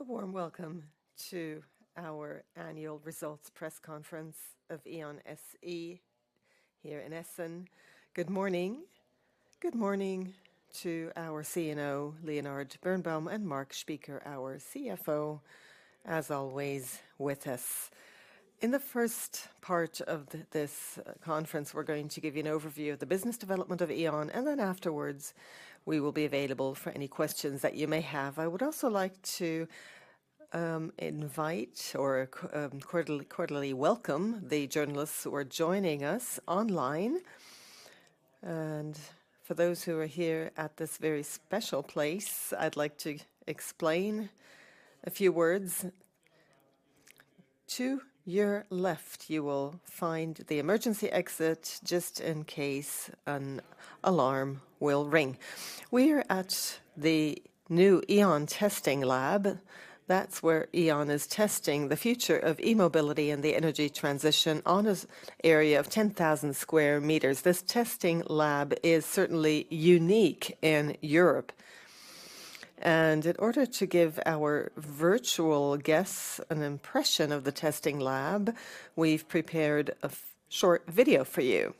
A warm welcome to our annual results press conference of E.ON SE here in Essen. Good morning, good morning to our CEO Leonhard Birnbaum and Marc Spieker, our CFO, as always with us. In the first part of this conference we're going to give you an overview of the business development of E.ON, and then afterwards we will be available for any questions that you may have. I would also like to extend our quarterly welcome to the journalists who are joining us online. For those who are here at this very special place, I'd like to explain a few words. To your left you will find the emergency exit just in case an alarm will ring. We're at the new E.ON testing lab. That's where E.ON is testing the future of e-mobility and the energy transition on an area of 10,000 sq m. This testing lab is certainly unique in Europe. In order to give our virtual guests an impression of the testing lab, we've prepared a short video for you.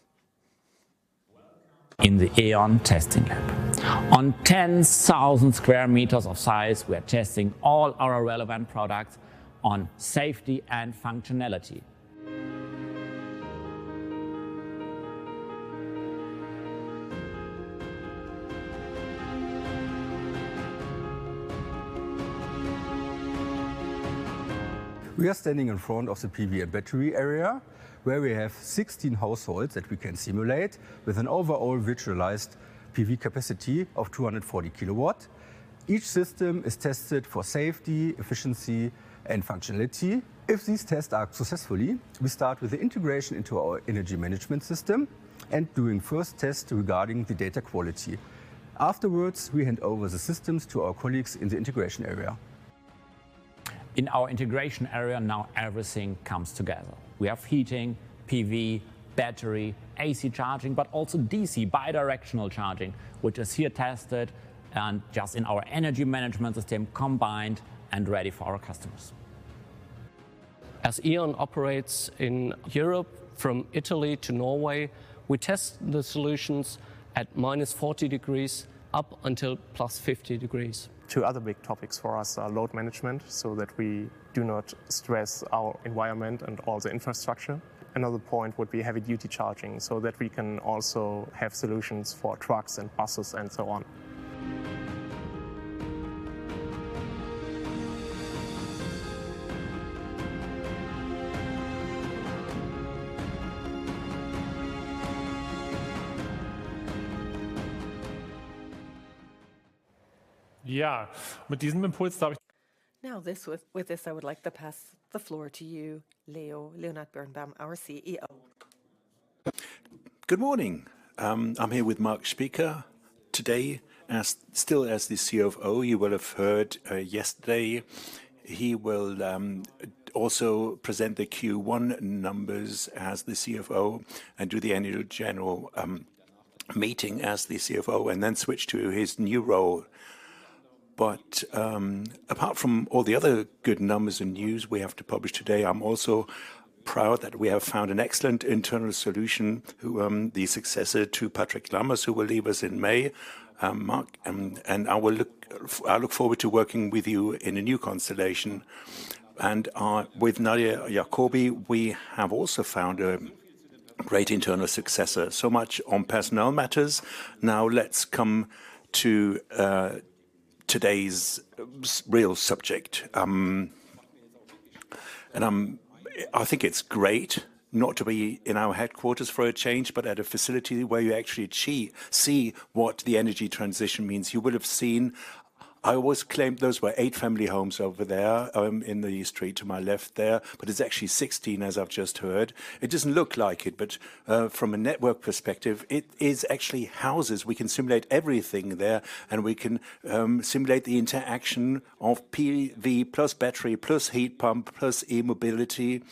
Welcome to the E.ON testing lab. On 10,000 sq m of size we are testing all our relevant products on safety and functionality. We are standing in front of the PV and battery area, where we have 16 households that we can simulate with an overall virtualized PV capacity of 240 kW. Each system is tested for safety, efficiency, and functionality. If these tests are successful, we start with the integration into our energy management system and doing first tests regarding the data quality. Afterwards we hand over the systems to our colleagues in the integration area. In our integration area now everything comes together. We have heating, PV, battery, AC charging, but also DC, bidirectional charging, which is here tested and just in our energy management system combined and ready for our customers. As E.ON operates in Europe from Italy to Norway, we test the solutions at minus 40 degrees up until plus 50 degrees. Two other big topics for us are load management so that we do not stress our environment and all the infrastructure. Another point would be heavy duty charging so that we can also have solutions for trucks and buses and so on. Now with this I would like to pass the floor to you, Leonhard Birnbaum, our CEO. Good morning. I'm here with Marc Spieker. Today, still as the CFO, you will have heard yesterday he will also present the Q1 numbers as the CFO and do the annual general meeting as the CFO and then switch to his new role. Apart from all the other good numbers and news we have to publish today, I'm also proud that we have found an excellent internal solution, the successor to Patrick Lammers, who will leave us in May. Marc, I look forward to working with you in a new constellation. With Nadia Jakobi we have also found a great internal successor, so much on personnel matters. Now let's come to today's real subject. I think it's great not to be in our headquarters for a change, but at a facility where you actually see what the energy transition means. You will have seen I always claimed those were eight family homes over there in the street to my left there, but it's actually 16 as I've just heard. It doesn't look like it, but from a network perspective it is actually houses. We can simulate everything there and we can simulate the interaction of PV plus battery plus heat pump plus e-mobility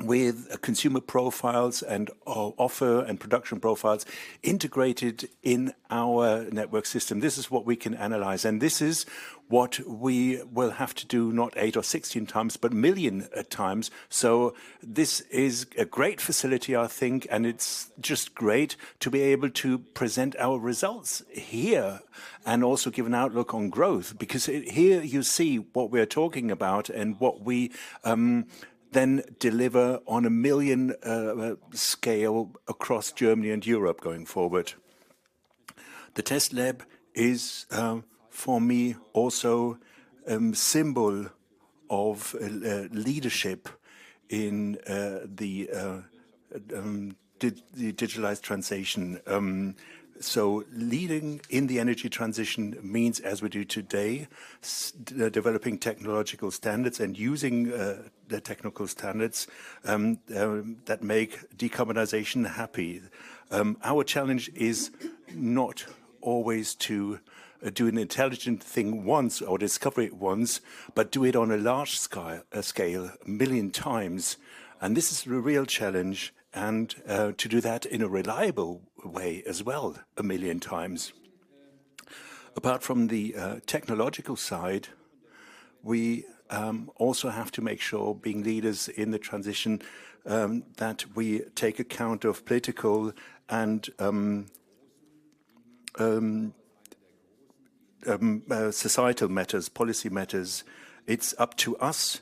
with consumer profiles and offer and production profiles integrated in our network system. This is what we can analyze. And this is what we will have to do not 8 or 16 times, but million times. So this is a great facility, I think, and it's just great to be able to present our results here and also give an outlook on growth, because here you see what we're talking about and what we then deliver on a million scale across Germany and Europe going forward. The test lab is for me also a symbol of leadership in the digitalized transition. So leading in the energy transition means, as we do today, developing technological standards and using the technical standards that make decarbonization happen. Our challenge is not always to do an intelligent thing once or discover it once, but do it on a large scale, a million times. And this is the real challenge, and to do that in a reliable way as well, a million times. Apart from the technological side, we also have to make sure, being leaders in the transition, that we take account of political and societal matters, policy matters. It's up to us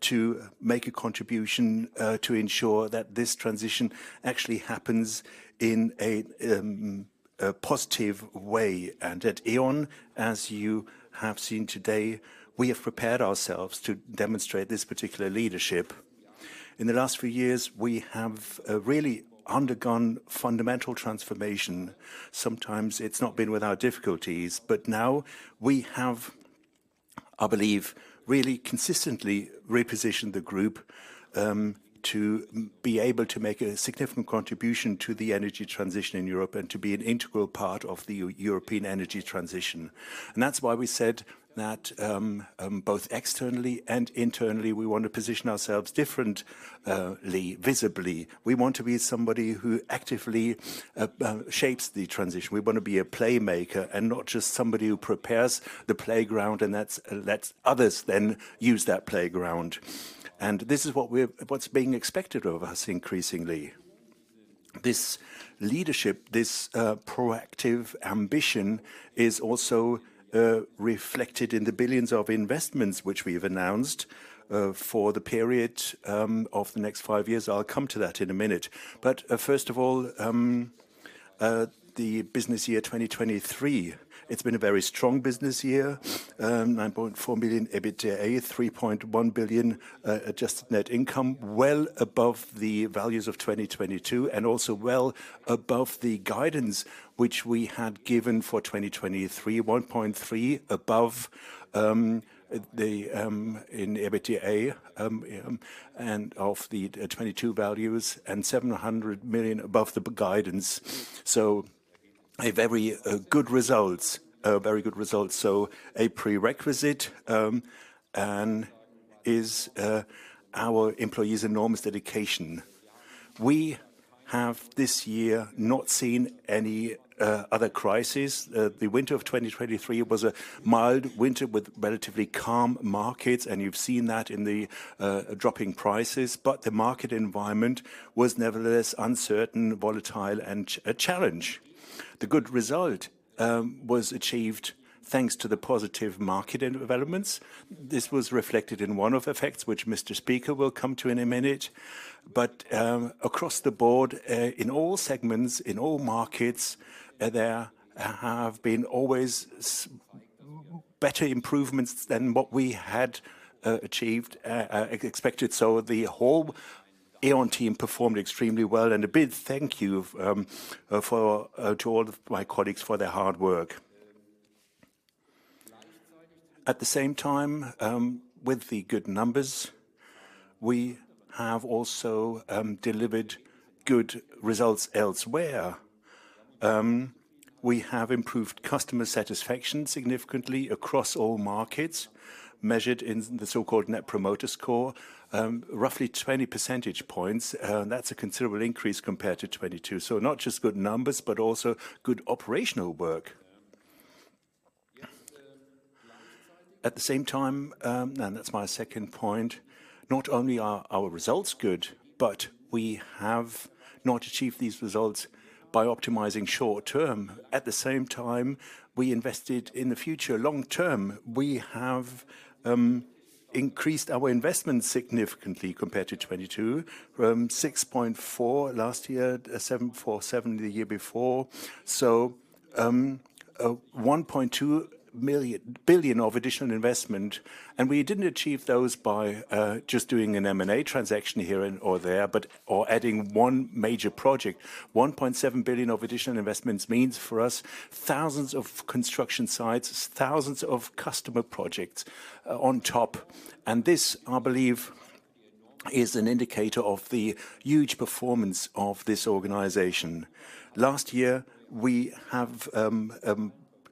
to make a contribution to ensure that this transition actually happens in a positive way. And at E.ON, as you have seen today, we have prepared ourselves to demonstrate this particular leadership. In the last few years we have really undergone fundamental transformation. Sometimes it's not been without difficulties, but now we have, I believe, really consistently repositioned the group to be able to make a significant contribution to the energy transition in Europe and to be an integral part of the European energy transition. And that's why we said that both externally and internally we want to position ourselves differently, visibly. We want to be somebody who actively shapes the transition. We want to be a playmaker and not just somebody who prepares the playground and lets others then use that playground. And this is what's being expected of us increasingly. This leadership, this proactive ambition is also reflected in the billions of investments which we've announced for the period of the next five years. I'll come to that in a minute. But first of all, the business year 2023, it's been a very strong business year. 9.4 million EBITDA, 3.1 billion adjusted net income, well above the values of 2022 and also well above the guidance which we had given for 2023, 1.3 billion above the EBITDA of the 2022 values and 700 million above the guidance. So very good results, very good results. So a prerequisite is our employees' enormous dedication. We have this year not seen any other crisis. The winter of 2023 was a mild winter with relatively calm markets, and you've seen that in the dropping prices. But the market environment was nevertheless uncertain, volatile, and a challenge. The good result was achieved thanks to the positive market developments. This was reflected in one of the effects, which Mr. Spieker will come to in a minute. But across the board, in all segments, in all markets, there have been always better improvements than what we had achieved, expected. So the whole E.ON team performed extremely well, and a big thank you to all of my colleagues for their hard work. At the same time, with the good numbers, we have also delivered good results elsewhere. We have improved customer satisfaction significantly across all markets, measured in the so-called Net Promoter Score, roughly 20 percentage points. That's a considerable increase compared to 2022. So not just good numbers, but also good operational work. At the same time and that's my second point, not only are our results good. But we have not achieved these results by optimizing short-term. At the same time, we invested in the future. Long-term, we have increased our investment significantly compared to 2022, 6.4 last year, 7.4, 7 the year before. So 1.2 billion of additional investment. And we didn't achieve those by just doing an M&A transaction here or there or adding one major project. 1.7 billion of additional investments means for us thousands of construction sites, thousands of customer projects on top. And this, I believe, is an indicator of the huge performance of this organization. Last year we have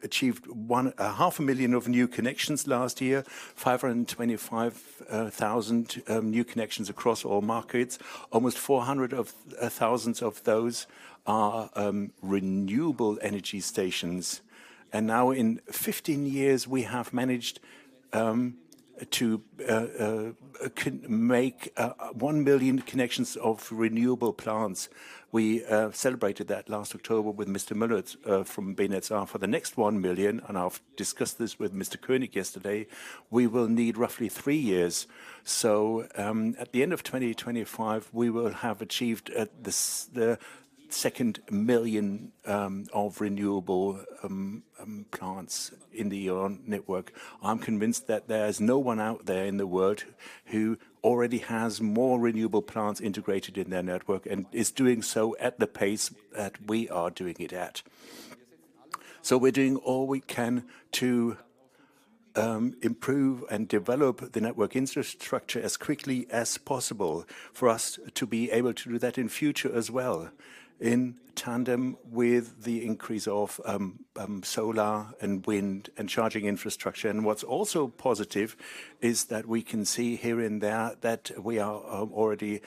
achieved 500,000 of new connections last year, 525,000 new connections across all markets. Almost 400,000 of those are renewable energy stations. And now in 15 years we have managed to make one million connections of renewable plants. We celebrated that last October with Mr. Müller from BNetzA for the next 1 million. And I've discussed this with Mr. König yesterday. We will need roughly three years. So at the end of 2025 we will have achieved the second million of renewable plants in the E.ON network. I'm convinced that there is no one out there in the world who already has more renewable plants integrated in their network and is doing so at the pace that we are doing it at. So we're doing all we can to improve and develop the network infrastructure as quickly as possible for us to be able to do that in future as well, in tandem with the increase of solar and wind and charging infrastructure. And what's also positive is that we can see here and there that we are already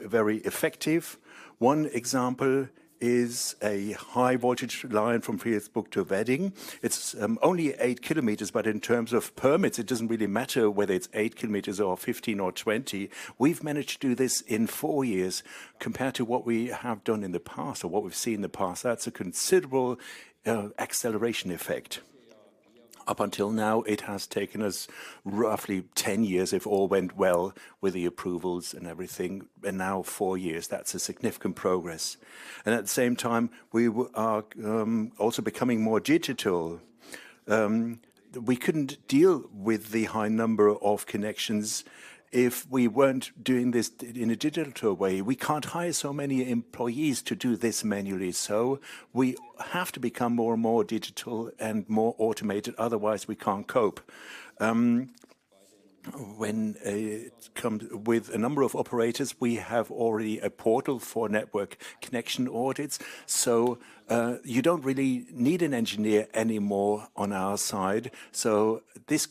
very effective. One example is a high voltage line from Friesburg to Wedding. It's only eight kilometers, but in terms of permits it doesn't really matter whether it's eight kilometers or 15 or 20. We've managed to do this in four years compared to what we have done in the past or what we've seen in the past. That's a considerable acceleration effect. Up until now it has taken us roughly 10 years, if all went well, with the approvals and everything. And now four years, that's a significant progress. And at the same time we are also becoming more digital. We couldn't deal with the high number of connections if we weren't doing this in a digital way. We can't hire so many employees to do this manually. So we have to become more and more digital and more automated. Otherwise we can't cope. With a number of operators we have already a portal for network connection audits. So you don't really need an engineer anymore on our side. So this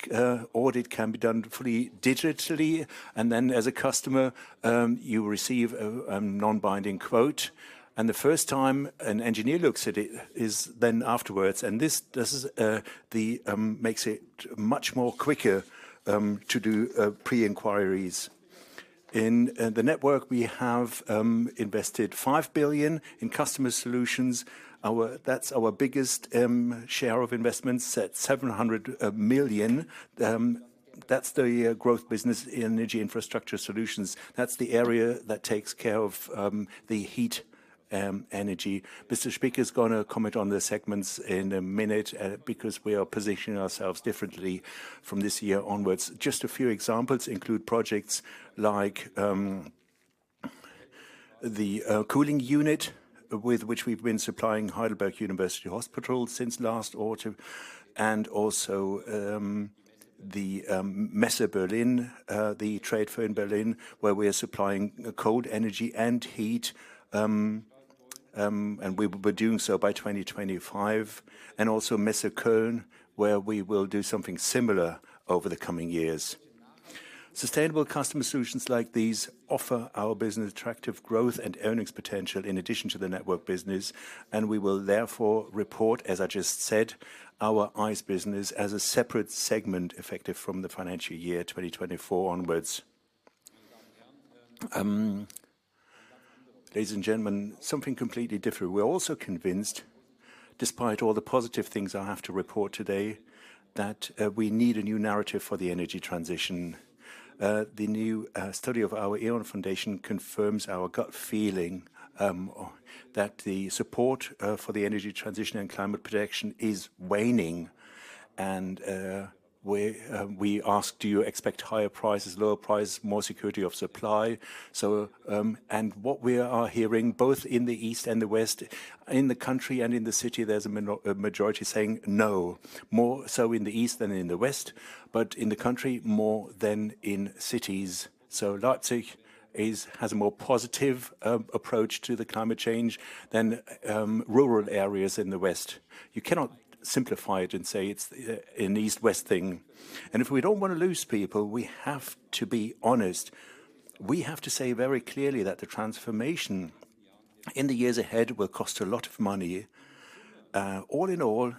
audit can be done fully digitally. And then as a customer you receive a non-binding quote. And the first time an engineer looks at it is then afterwards. This makes it much more quicker to do pre-inquiries. In the network we have invested 5 billion in customer solutions. That's our biggest share of investments, set 700 million. That's the growth business in energy infrastructure solutions. That's the area that takes care of the heat energy. Mr. Spieker is going to comment on the segments in a minute because we are positioning ourselves differently from this year onwards. Just a few examples include projects like the cooling unit with which we've been supplying Heidelberg University Hospital since last autumn, and also the Messe Berlin, the trade fair in Berlin, where we are supplying cold energy and heat. And we will be doing so by 2025. And also Messe Köln, where we will do something similar over the coming years. Sustainable customer solutions like these offer our business attractive growth and earnings potential in addition to the network business. We will therefore report, as I just said, our EIS business as a separate segment effective from the financial year 2024 onwards. Ladies and gentlemen, something completely different. We're also convinced, despite all the positive things I have to report today, that we need a new narrative for the energy transition. The new study of our E.ON Foundation confirms our gut feeling that the support for the energy transition and climate protection is waning. We ask, do you expect higher prices, lower prices, more security of supply? And what we are hearing, both in the East and the West, in the country and in the city there's a majority saying no, more so in the East than in the West, but in the country more than in cities. Leipzig has a more positive approach to the climate change than rural areas in the West. You cannot simplify it and say it's an East-West thing. If we don't want to lose people, we have to be honest. We have to say very clearly that the transformation in the years ahead will cost a lot of money. All in all,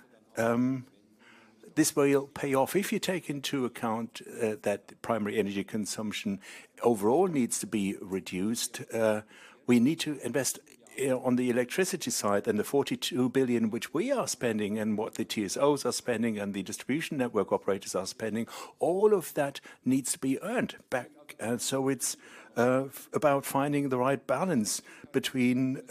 this will pay off if you take into account that primary energy consumption overall needs to be reduced. We need to invest on the electricity side and the 42 billion which we are spending and what the TSOs are spending and the distribution network operators are spending, all of that needs to be earned back. It's about finding the right balance between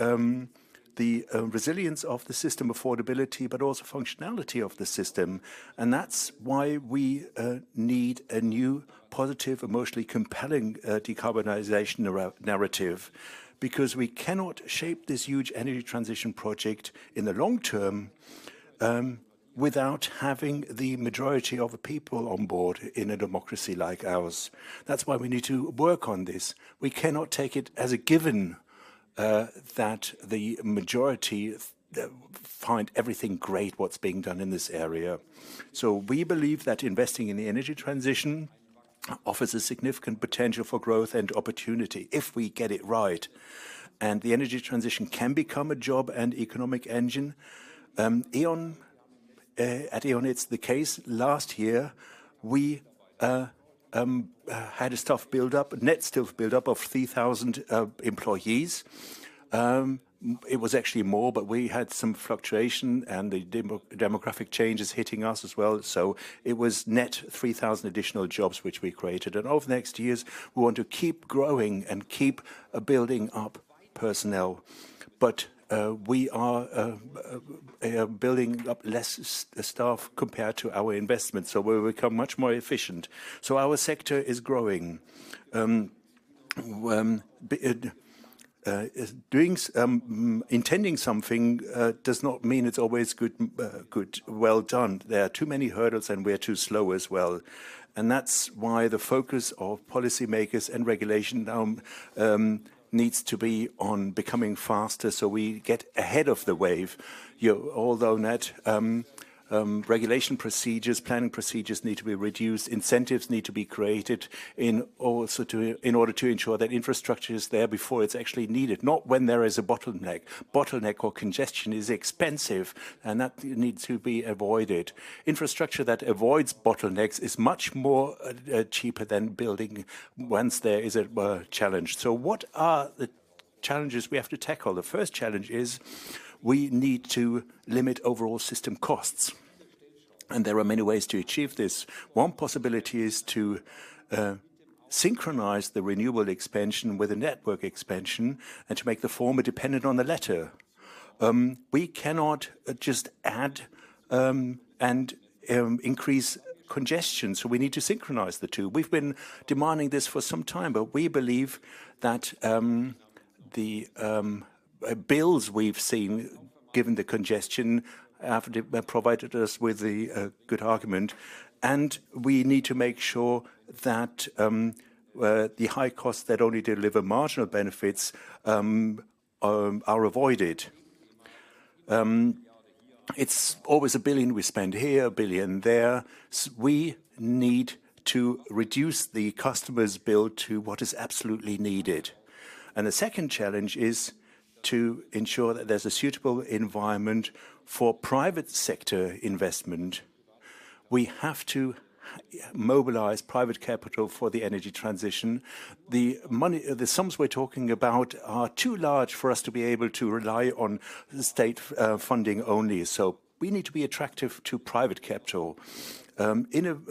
the resilience of the system, affordability, but also functionality of the system. And that's why we need a new, positive, emotionally compelling decarbonization narrative, because we cannot shape this huge energy transition project in the long term without having the majority of the people on board in a democracy like ours. That's why we need to work on this. We cannot take it as a given that the majority find everything great what's being done in this area. So we believe that investing in the energy transition offers a significant potential for growth and opportunity if we get it right. And the energy transition can become a job and economic engine. At E.ON, it's the case. Last year we had a staff buildup, net staff buildup of 3,000 employees. It was actually more, but we had some fluctuation and the demographic changes hitting us as well. So it was net 3,000 additional jobs which we created. Over the next years we want to keep growing and keep building up personnel. But we are building up less staff compared to our investments. So we'll become much more efficient. So our sector is growing. Intending something does not mean it's always good, well done. There are too many hurdles and we're too slow as well. And that's why the focus of policymakers and regulation now needs to be on becoming faster so we get ahead of the wave. Although, Ned, regulation procedures, planning procedures need to be reduced, incentives need to be created in order to ensure that infrastructure is there before it's actually needed, not when there is a bottleneck. Bottleneck or congestion is expensive and that needs to be avoided. Infrastructure that avoids bottlenecks is much more cheaper than building once there is a challenge. So what are the challenges we have to tackle? The first challenge is we need to limit overall system costs. There are many ways to achieve this. One possibility is to synchronize the renewable expansion with the network expansion and to make the former dependent on the latter. We cannot just add and increase congestion. We need to synchronize the two. We've been demanding this for some time, but we believe that the bills we've seen, given the congestion, have provided us with a good argument. We need to make sure that the high costs that only deliver marginal benefits are avoided. It's always 1 billion we spend here, 1 billion there. We need to reduce the customer's bill to what is absolutely needed. The second challenge is to ensure that there's a suitable environment for private sector investment. We have to mobilize private capital for the energy transition. The sums we're talking about are too large for us to be able to rely on state funding only. So we need to be attractive to private capital. Investments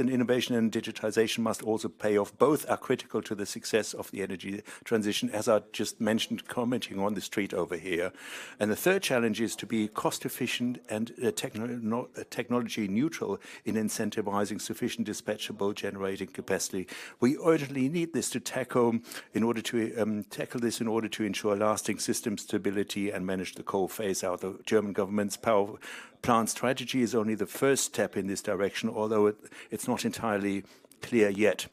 in innovation and digitization must also pay off. Both are critical to the success of the energy transition, as I just mentioned, commenting on the street over here. And the third challenge is to be cost-efficient and technology-neutral in incentivizing sufficient dispatchable generating capacity. We urgently need this to tackle this in order to ensure lasting system stability and manage the coal phase out. The German government's power plant strategy is only the first step in this direction, although it's not entirely clear yet.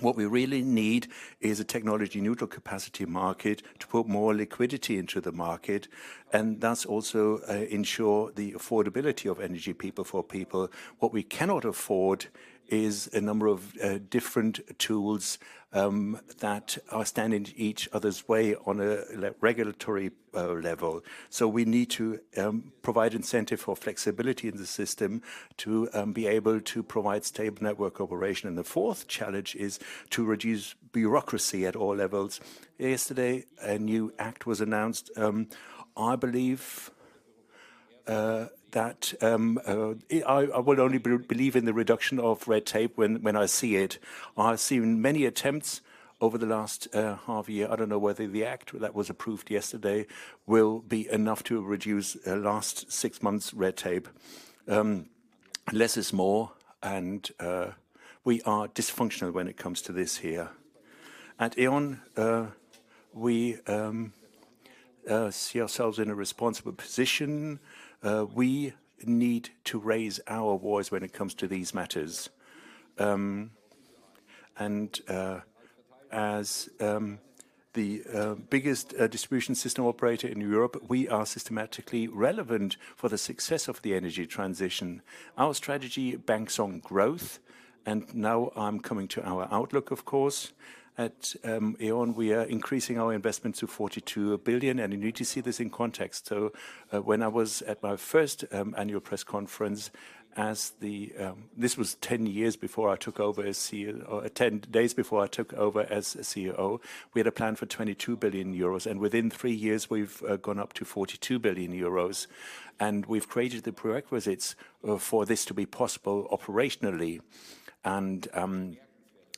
What we really need is a technology-neutral capacity market to put more liquidity into the market and thus also ensure the affordability of energy people for people. What we cannot afford is a number of different tools that are standing each other's way on a regulatory level. So we need to provide incentive for flexibility in the system to be able to provide stable network operation. The fourth challenge is to reduce bureaucracy at all levels. Yesterday a new act was announced. I believe that I will only believe in the reduction of red tape when I see it. I have seen many attempts over the last half year. I don't know whether the act that was approved yesterday will be enough to reduce last six months' red tape. Less is more. We are dysfunctional when it comes to this here. At E.ON we see ourselves in a responsible position. We need to raise our voice when it comes to these matters. As the biggest distribution system operator in Europe, we are systemically relevant for the success of the energy transition. Our strategy banks on growth. Now I'm coming to our outlook, of course. At E.ON we are increasing our investment to 42 billion. You need to see this in context. So when I was at my first annual press conference, as this was 10 years before I took over as CEO or 10 days before I took over as CEO, we had a plan for 22 billion euros. Within three years we've gone up to 42 billion euros. We've created the prerequisites for this to be possible operationally.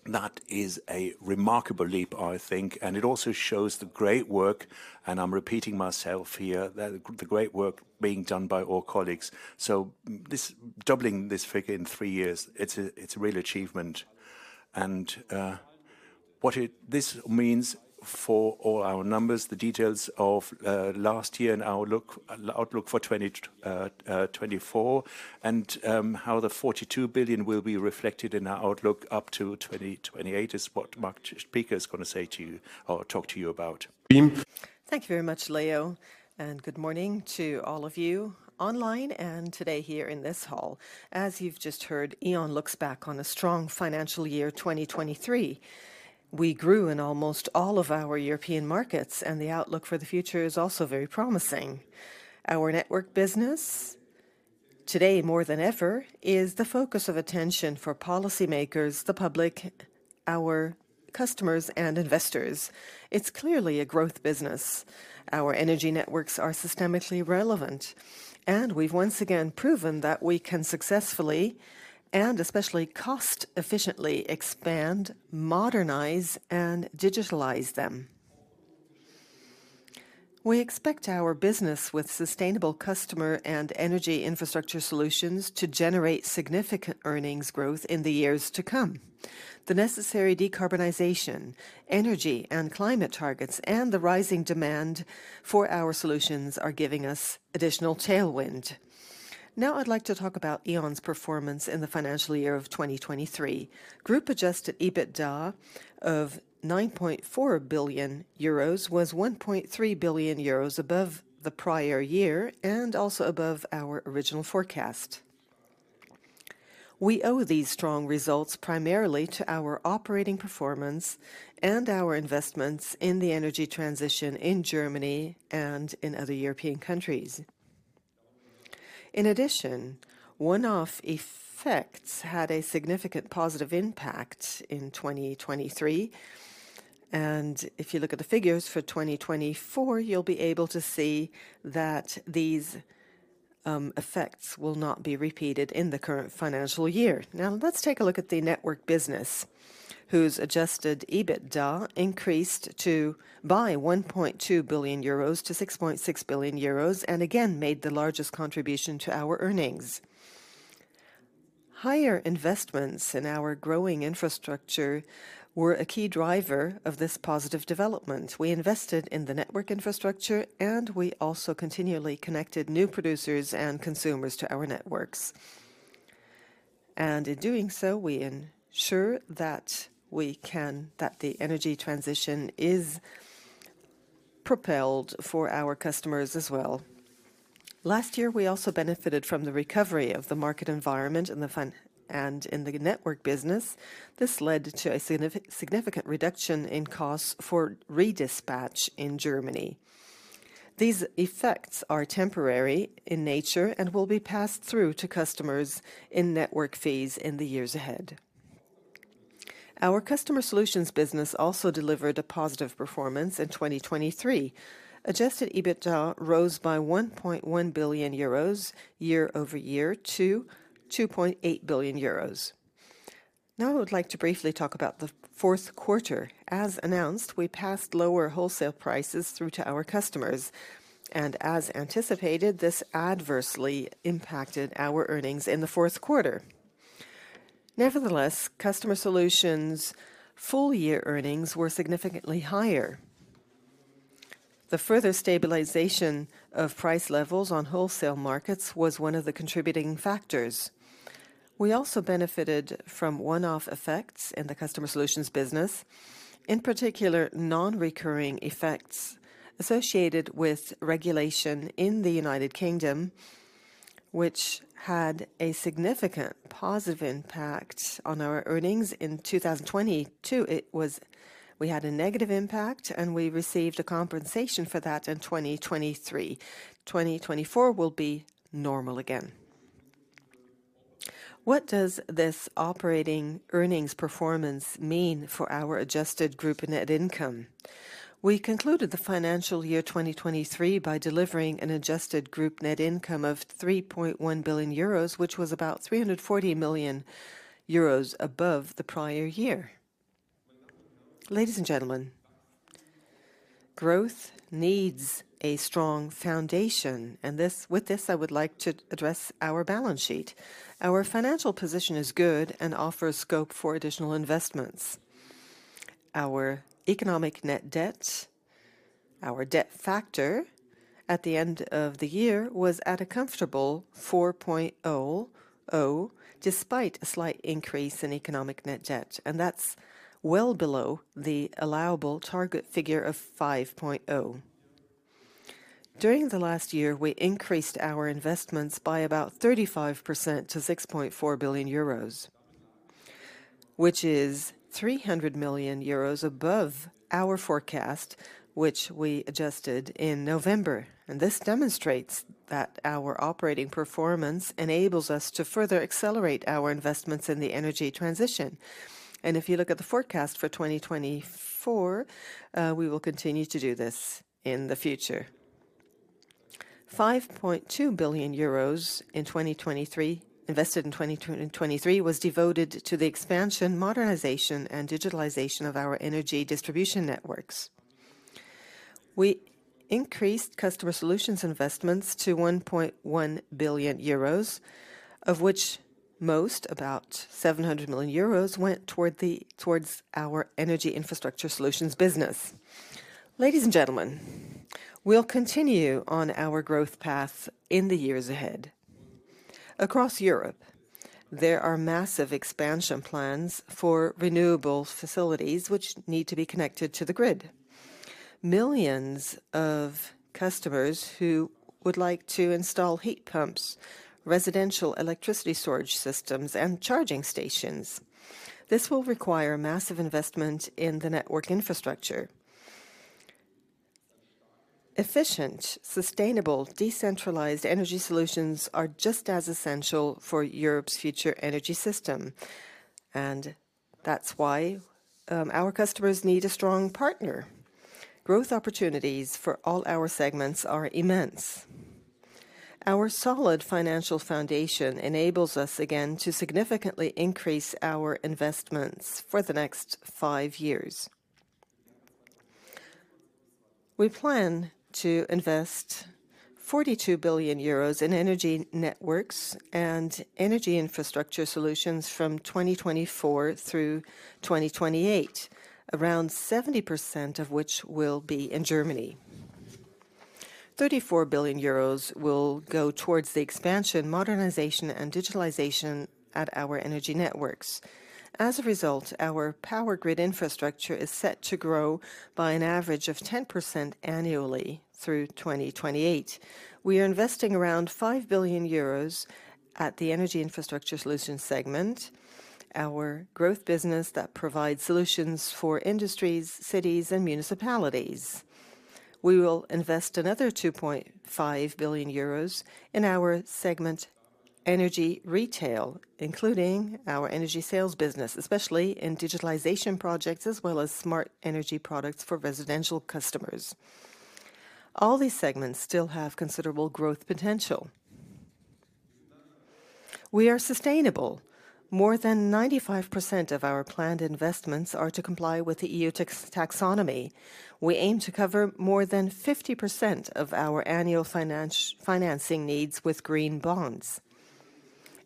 That is a remarkable leap, I think. It also shows the great work, and I'm repeating myself here, the great work being done by all colleagues. So doubling this figure in three years, it's a real achievement. And what this means for all our numbers, the details of last year and our outlook for 2024, and how the 42 billion will be reflected in our outlook up to 2028 is what Marc Spieker is going to say to you or talk to you about. Thank you very much, Leo. And good morning to all of you online and today here in this hall. As you've just heard, E.ON looks back on a strong financial year 2023. We grew in almost all of our European markets, and the outlook for the future is also very promising. Our network business, today more than ever, is the focus of attention for policymakers, the public, our customers, and investors. It's clearly a growth business. Our energy networks are systemically relevant. We've once again proven that we can successfully and especially cost-efficiently expand, modernize, and digitalize them. We expect our business with sustainable customer and energy infrastructure solutions to generate significant earnings growth in the years to come. The necessary decarbonization, energy and climate targets, and the rising demand for our solutions are giving us additional tailwind. Now I'd like to talk about E.ON's performance in the financial year of 2023. Group adjusted EBITDA of 9.4 billion euros was 1.3 billion euros above the prior year and also above our original forecast. We owe these strong results primarily to our operating performance and our investments in the energy transition in Germany and in other European countries. In addition, one-off effects had a significant positive impact in 2023. And if you look at the figures for 2024, you'll be able to see that these effects will not be repeated in the current financial year. Now let's take a look at the network business, whose adjusted EBITDA increased by 1.2 billion euros to 6.6 billion euros and again made the largest contribution to our earnings. Higher investments in our growing infrastructure were a key driver of this positive development. We invested in the network infrastructure, and we also continually connected new producers and consumers to our networks. And in doing so, we ensure that the energy transition is propelled for our customers as well. Last year we also benefited from the recovery of the market environment and in the network business. This led to a significant reduction in costs for redispatch in Germany. These effects are temporary in nature and will be passed through to customers in network fees in the years ahead. Our customer solutions business also delivered a positive performance in 2023. Adjusted EBITDA rose by 1.1 billion euros year-over-year to 2.8 billion euros. Now I would like to briefly talk about the fourth quarter. As announced, we passed lower wholesale prices through to our customers. As anticipated, this adversely impacted our earnings in the fourth quarter. Nevertheless, customer solutions' full-year earnings were significantly higher. The further stabilization of price levels on wholesale markets was one of the contributing factors. We also benefited from one-off effects in the customer solutions business, in particular non-recurring effects associated with regulation in the United Kingdom, which had a significant positive impact on our earnings in 2022. We had a negative impact, and we received a compensation for that in 2023. 2024 will be normal again. What does this operating earnings performance mean for our adjusted group net income? We concluded the financial year 2023 by delivering an adjusted group net income of 3.1 billion euros, which was about 340 million euros above the prior year. Ladies and gentlemen, growth needs a strong foundation. With this, I would like to address our balance sheet. Our financial position is good and offers scope for additional investments. Our economic net debt, our debt factor at the end of the year, was at a comfortable 4.0 despite a slight increase in economic net debt. That's well below the allowable target figure of 5.0. During the last year, we increased our investments by about 35% to 6.4 billion euros, which is 300 million euros above our forecast, which we adjusted in November. This demonstrates that our operating performance enables us to further accelerate our investments in the energy transition. If you look at the forecast for 2024, we will continue to do this in the future. 5.2 billion euros in 2023 invested in 2023 was devoted to the expansion, modernization, and digitalization of our energy distribution networks. We increased customer solutions investments to 1.1 billion euros, of which most, about 700 million euros, went towards our Energy Infrastructure Solutions business. Ladies and gentlemen, we'll continue on our growth path in the years ahead. Across Europe, there are massive expansion plans for renewable facilities which need to be connected to the grid. Millions of customers who would like to install heat pumps, residential electricity storage systems, and charging stations. This will require massive investment in the network infrastructure. Efficient, sustainable, decentralized energy solutions are just as essential for Europe's future energy system. That's why our customers need a strong partner. Growth opportunities for all our segments are immense. Our solid financial foundation enables us again to significantly increase our investments for the next five years. We plan to invest 42 billion euros in energy networks and energy infrastructure solutions from 2024 through 2028, around 70% of which will be in Germany. 34 billion euros will go towards the expansion, modernization, and digitalization at our energy networks. As a result, our power grid infrastructure is set to grow by an average of 10% annually through 2028. We are investing around 5 billion euros at the energy infrastructure solutions segment, our growth business that provides solutions for industries, cities, and municipalities. We will invest another 2.5 billion euros in our segment energy retail, including our energy sales business, especially in digitalization projects as well as smart energy products for residential customers. All these segments still have considerable growth potential. We are sustainable. More than 95% of our planned investments are to comply with the EU taxonomy. We aim to cover more than 50% of our annual financing needs with green bonds.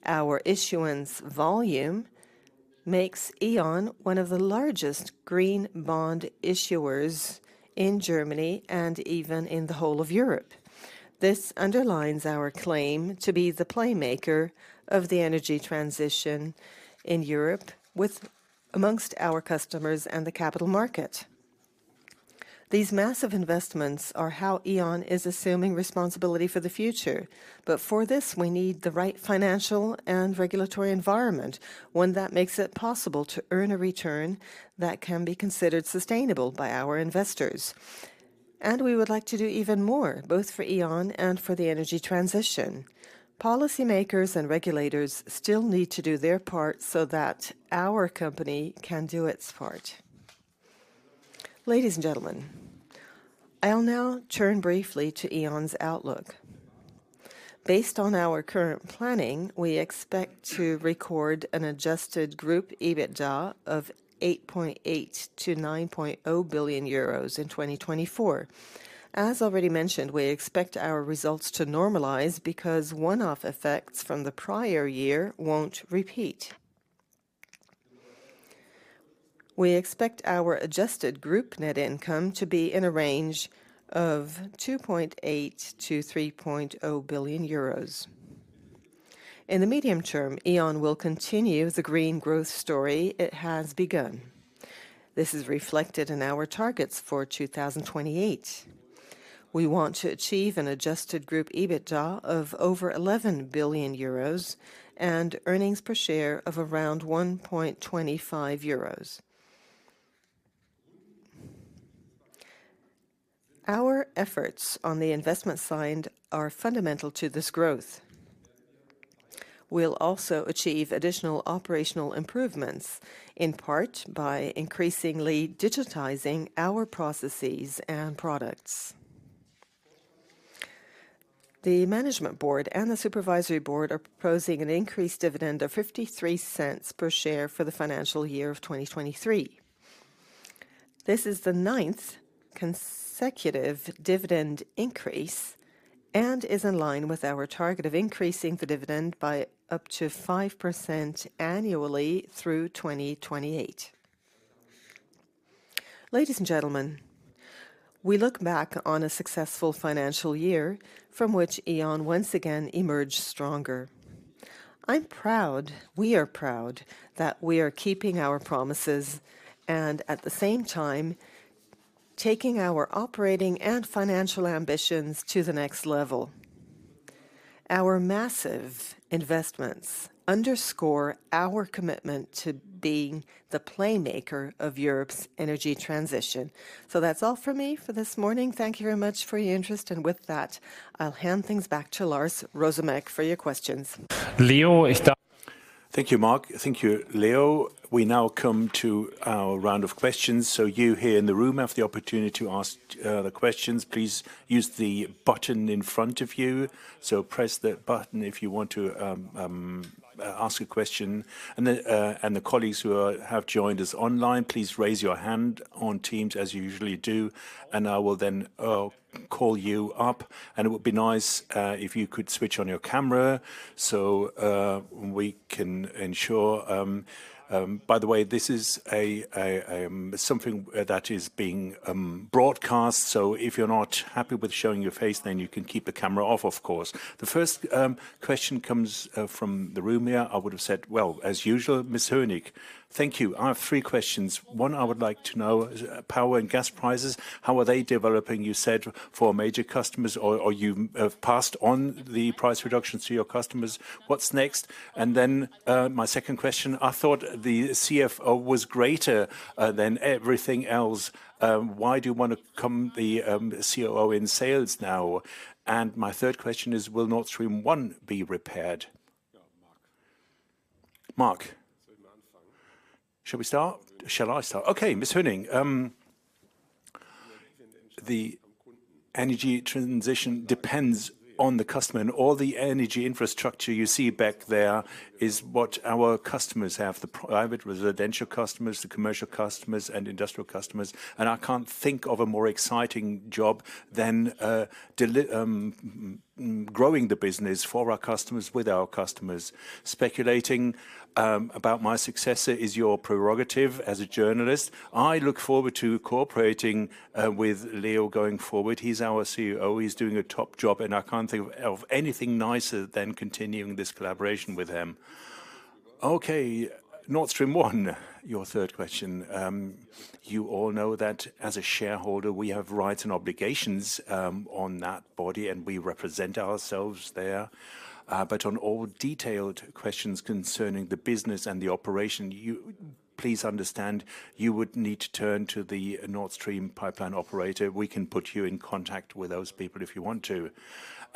Our issuance volume makes E.ON one of the largest green bond issuers in Germany and even in the whole of Europe. This underlines our claim to be the playmaker of the energy transition in Europe amongst our customers and the capital market. These massive investments are how E.ON is assuming responsibility for the future. But for this, we need the right financial and regulatory environment, one that makes it possible to earn a return that can be considered sustainable by our investors. We would like to do even more, both for E.ON and for the energy transition. Policymakers and regulators still need to do their part so that our company can do its part. Ladies and gentlemen, I'll now turn briefly to E.ON's outlook. Based on our current planning, we expect to record an adjusted group EBITDA of 8.8 billion-9.0 billion euros in 2024. As already mentioned, we expect our results to normalize because one-off effects from the prior year won't repeat. We expect our adjusted group net income to be in a range of 2.8 billion-3.0 billion euros. In the medium term, E.ON will continue the green growth story it has begun. This is reflected in our targets for 2028. We want to achieve an adjusted group EBITDA of over 11 billion euros and earnings per share of around 1.25 euros. Our efforts on the investment side are fundamental to this growth. We'll also achieve additional operational improvements, in part by increasingly digitizing our processes and products. The management board and the supervisory board are proposing an increased dividend of 0.53 per share for the financial year of 2023. This is the ninth consecutive dividend increase and is in line with our target of increasing the dividend by up to 5% annually through 2028. Ladies and gentlemen, we look back on a successful financial year from which E.ON once again emerged stronger. I'm proud we are proud that we are keeping our promises and, at the same time, taking our operating and financial ambitions to the next level. Our massive investments underscore our commitment to being the playmaker of Europe's energy transition. That's all from me for this morning. Thank you very much for your interest. With that, I'll hand things back to Lars Rosumek for your questions. Thank you, Mark. Thank you, Leo. We now come to our round of questions. You here in the room have the opportunity to ask the questions. Please use the button in front of you. Press that button if you want to ask a question. The colleagues who have joined us online, please raise your hand on Teams as you usually do. I will then call you up. It would be nice if you could switch on your camera so we can ensure by the way, this is something that is being broadcast. If you're not happy with showing your face, then you can keep the camera off, of course. The first question comes from the room here. I would have said, well, as usual, Ms. Höning Thank you. I have three questions. One, I would like to know power and gas prices. How are they developing, you said, for major customers? Or you have passed on the price reductions to your customers. What's next? And then my second question, I thought the CFO was greater than everything else. Why do you want to become the COO in sales now? And my third question is, will Nord Stream 1 be repaired? Mark. Shall we start? Shall I start? Okay, Ms. Hoenig, the energy transition depends on the customer. And all the energy infrastructure you see back there is what our customers have, the private residential customers, the commercial customers, and industrial customers. And I can't think of a more exciting job than growing the business for our customers, with our customers. Speculating about my successor is your prerogative as a journalist. I look forward to cooperating with Leo going forward. He's our CEO. He's doing a top job. I can't think of anything nicer than continuing this collaboration with him. Okay, Nord Stream 1, your third question. You all know that as a shareholder, we have rights and obligations on that body, and we represent ourselves there. But on all detailed questions concerning the business and the operation, please understand you would need to turn to the Nord Stream pipeline operator. We can put you in contact with those people if you want to.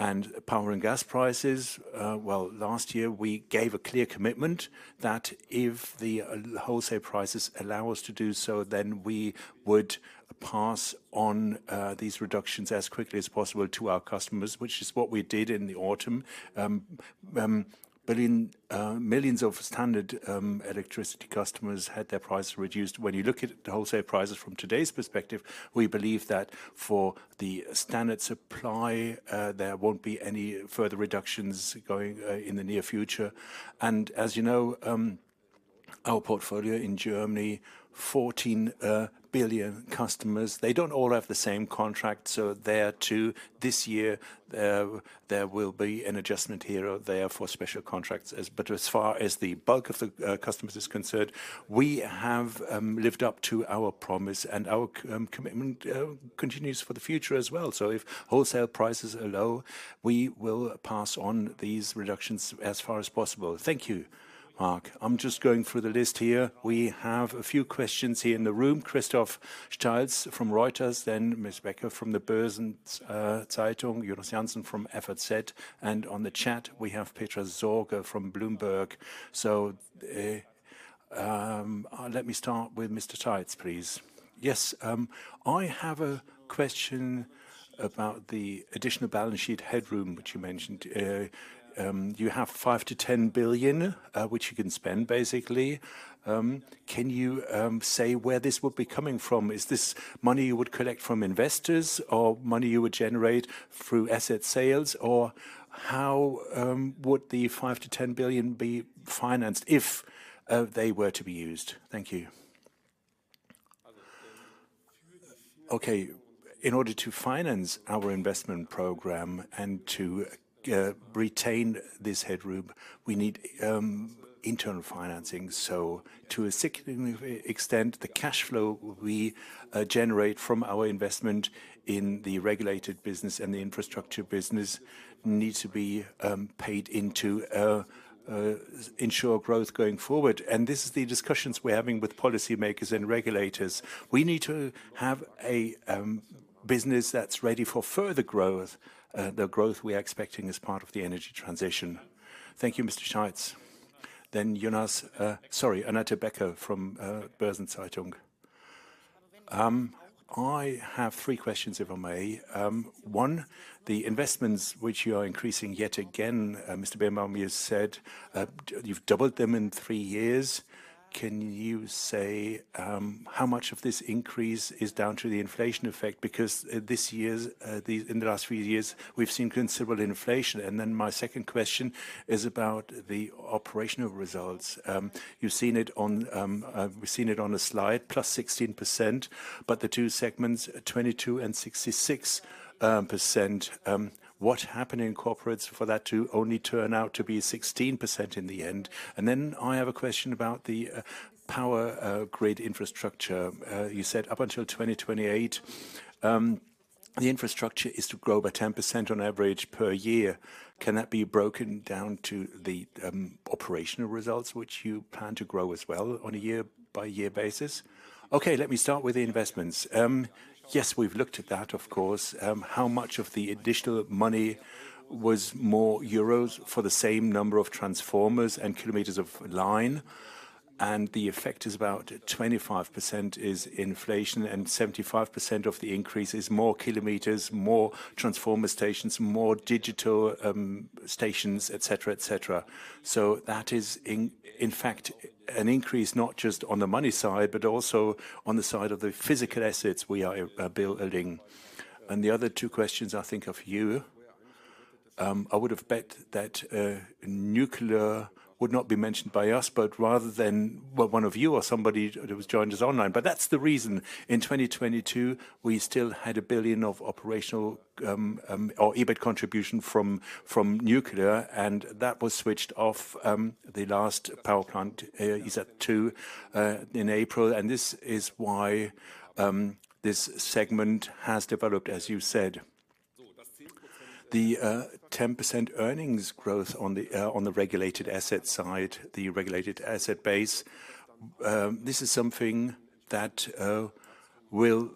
And power and gas prices, well, last year, we gave a clear commitment that if the wholesale prices allow us to do so, then we would pass on these reductions as quickly as possible to our customers, which is what we did in the autumn. Millions of standard electricity customers had their prices reduced. When you look at the wholesale prices from today's perspective, we believe that for the standard supply, there won't be any further reductions going in the near future. As you know, our portfolio in Germany, 14 million customers, they don't all have the same contract. So there, too, this year, there will be an adjustment here or there for special contracts. But as far as the bulk of the customers is concerned, we have lived up to our promise. And our commitment continues for the future as well. So if wholesale prices are low, we will pass on these reductions as far as possible. Thank you, Mark. I'm just going through the list here. We have a few questions here in the room. Christoph Steitz from Reuters, then Ms. Becker from the Börsen Zeitung, Jonas Jansen from FAZ. And on the chat, we have Petra Sorge from Bloomberg. So let me start with Mr. Steitz, please. Yes, I have a question about the additional balance sheet headroom which you mentioned. You have 5 billion-10 billion which you can spend, basically. Can you say where this would be coming from? Is this money you would collect from investors or money you would generate through asset sales? Or how would the 5 billion-10 billion be financed if they were to be used? Thank you. Okay, in order to finance our investment program and to retain this headroom, we need internal financing. So to a significant extent, the cash flow we generate from our investment in the regulated business and the infrastructure business needs to be paid into ensure growth going forward. And this is the discussions we're having with policymakers and regulators. We need to have a business that's ready for further growth, the growth we are expecting as part of the energy transition. Thank you, Mr. Steitz. Then Jonas, sorry, Annette Becker from Börsen-Zeitung. I have three questions, if I may. One, the investments which you are increasing yet again. Mr. Birnbaum has said you've doubled them in three years. Can you say how much of this increase is down to the inflation effect? Because this year, in the last few years, we've seen considerable inflation. And then my second question is about the operational results. We've seen it on a slide, +16%. But the two segments, 22% and 66%, what happened in corporates for that to only turn out to be 16% in the end? And then I have a question about the power grid infrastructure. You said up until 2028, the infrastructure is to grow by 10% on average per year. Can that be broken down to the operational results which you plan to grow as well on a year-by-year basis? Okay, let me start with the investments. Yes, we've looked at that, of course. How much of the additional money was more euros for the same number of transformers and kilometers of line? And the effect is about 25% is inflation. And 75% of the increase is more kilometers, more transformer stations, more digital stations, et cetera, et cetera. So that is, in fact, an increase not just on the money side, but also on the side of the physical assets we are building. And the other two questions, I think, are for you. I would have bet that nuclear would not be mentioned by us, but rather than one of you or somebody who has joined us online. But that's the reason. In 2022, we still had 1 billion of operational or EBIT contribution from nuclear. And that was switched off the last power plant, is that two, in April. And this is why this segment has developed, as you said, the 10% earnings growth on the regulated asset side, the regulated asset base. This is something that will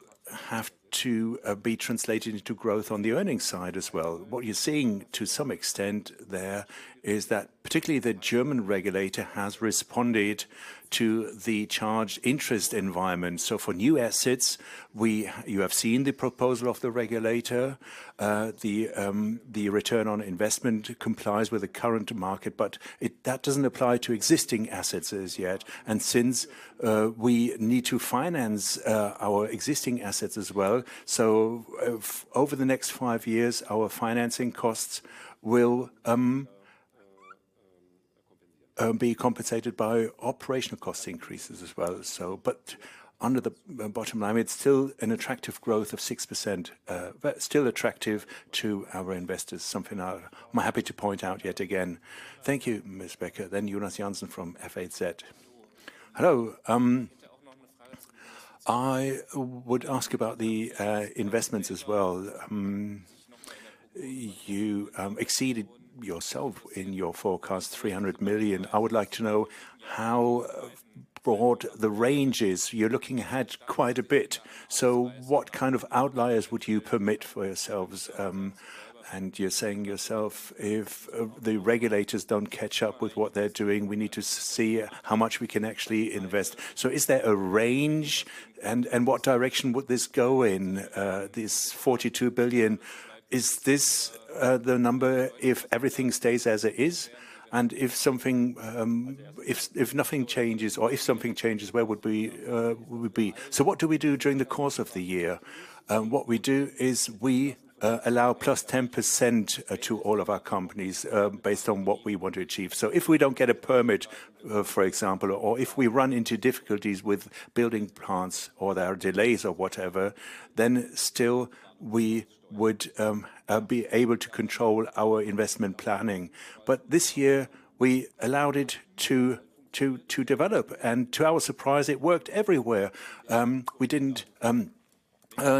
have to be translated into growth on the earnings side as well. What you're seeing to some extent there is that particularly the German regulator has responded to the changed interest environment. So for new assets, you have seen the proposal of the regulator. The return on investment complies with the current market. But that doesn't apply to existing assets as yet. Since we need to finance our existing assets as well, so over the next five years, our financing costs will be compensated by operational cost increases as well. Under the bottom line, it's still an attractive growth of 6%, still attractive to our investors, something I'm happy to point out yet again. Thank you, Ms. Becker. Jonas Jansen from FAZ. Hello. I would ask about the investments as well. You exceeded yourself in your forecast, 300 million. I would like to know how broad the range is. You're looking ahead quite a bit. So what kind of outliers would you permit for yourselves? And you're saying yourself, if the regulators don't catch up with what they're doing, we need to see how much we can actually invest. So is there a range? And what direction would this go in, this 42 billion? Is this the number if everything stays as it is? And if something if nothing changes, or if something changes, where would we be? So what do we do during the course of the year? What we do is we allow plus 10% to all of our companies based on what we want to achieve. So if we don't get a permit, for example, or if we run into difficulties with building plants or there are delays or whatever, then still we would be able to control our investment planning. But this year, we allowed it to develop. And to our surprise, it worked everywhere. We didn't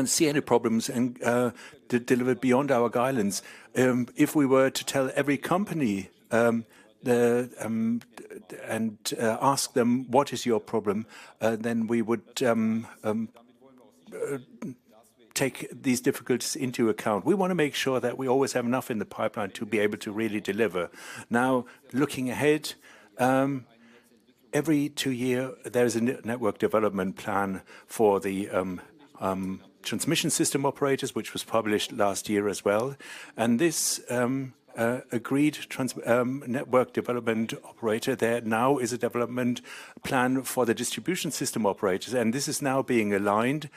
see any problems and delivered beyond our guidelines. If we were to tell every company and ask them, what is your problem? Then we would take these difficulties into account. We want to make sure that we always have enough in the pipeline to be able to really deliver. Now, looking ahead, every two years, there is a network development plan for the transmission system operators, which was published last year as well. And this agreed network development plan there now is a development plan for the distribution system operators. And this is now being aligned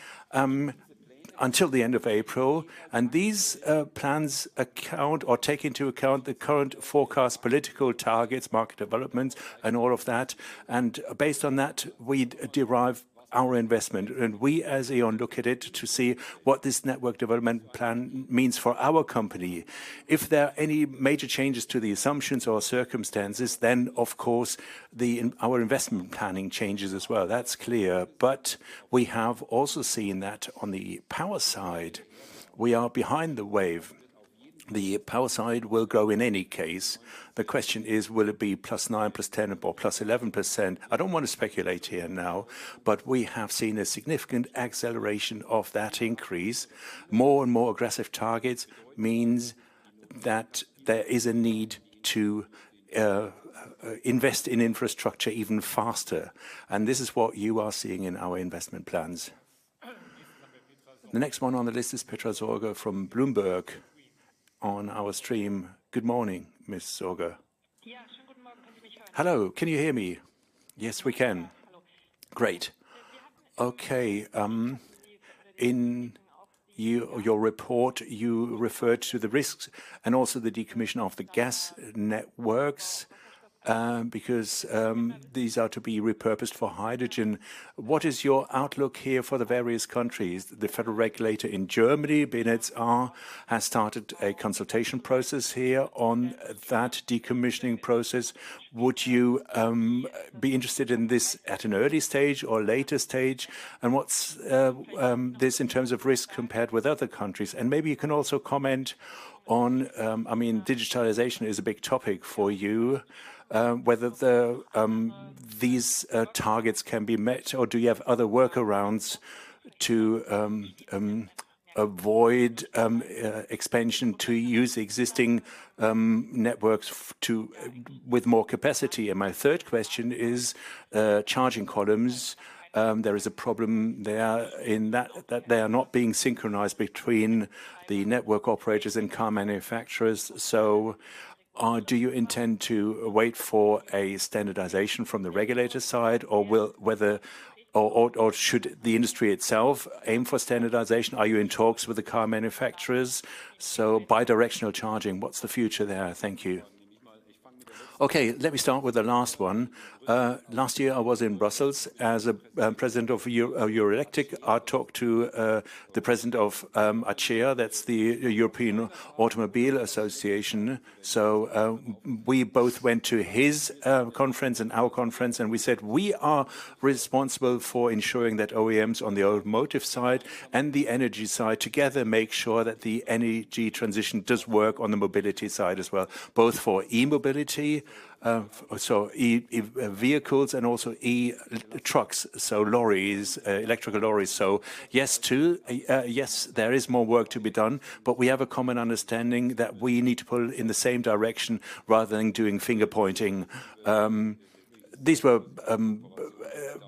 until the end of April. And these plans account or take into account the current forecast, political targets, market developments, and all of that. And based on that, we derive our investment. And we, as E.ON, look at it to see what this network development plan means for our company. If there are any major changes to the assumptions or circumstances, then, of course, our investment planning changes as well. That's clear. But we have also seen that on the power side, we are behind the wave. The power side will grow in any case. The question is, will it be +9%, +10%, or +11%? I don't want to speculate here now. But we have seen a significant acceleration of that increase. More and more aggressive targets means that there is a need to invest in infrastructure even faster. And this is what you are seeing in our investment plans. The next one on the list is Petra Sorge from Bloomberg on our stream. Good morning, Ms. Sorge. Hello, can you hear me? Yes, we can. Great. Okay, in your report, you referred to the risks and also the decommission of the gas networks because these are to be repurposed for hydrogen. What is your outlook here for the various countries? The federal regulator in Germany, BNetzA, has started a consultation process here on that decommissioning process. Would you be interested in this at an early stage or later stage? And what's this in terms of risk compared with other countries? And maybe you can also comment on, I mean, digitalization is a big topic for you, whether these targets can be met, or do you have other workarounds to avoid expansion, to use existing networks with more capacity? And my third question is charging columns. There is a problem there in that they are not being synchronized between the network operators and car manufacturers. So do you intend to wait for a standardization from the regulator side, or will whether or should the industry itself aim for standardization? Are you in talks with the car manufacturers? So bidirectional charging, what's the future there? Thank you. Okay, let me start with the last one. Last year, I was in Brussels as a president of Eurelectric. I talked to the president of ACEA, that's the European Automobile Association. So we both went to his conference and our conference. And we said, we are responsible for ensuring that OEMs on the automotive side and the energy side together make sure that the energy transition does work on the mobility side as well, both for e-mobility, so vehicles, and also e-trucks, so lorries, electrical lorries. So yes, too, yes, there is more work to be done. But we have a common understanding that we need to pull in the same direction rather than doing finger-pointing. These were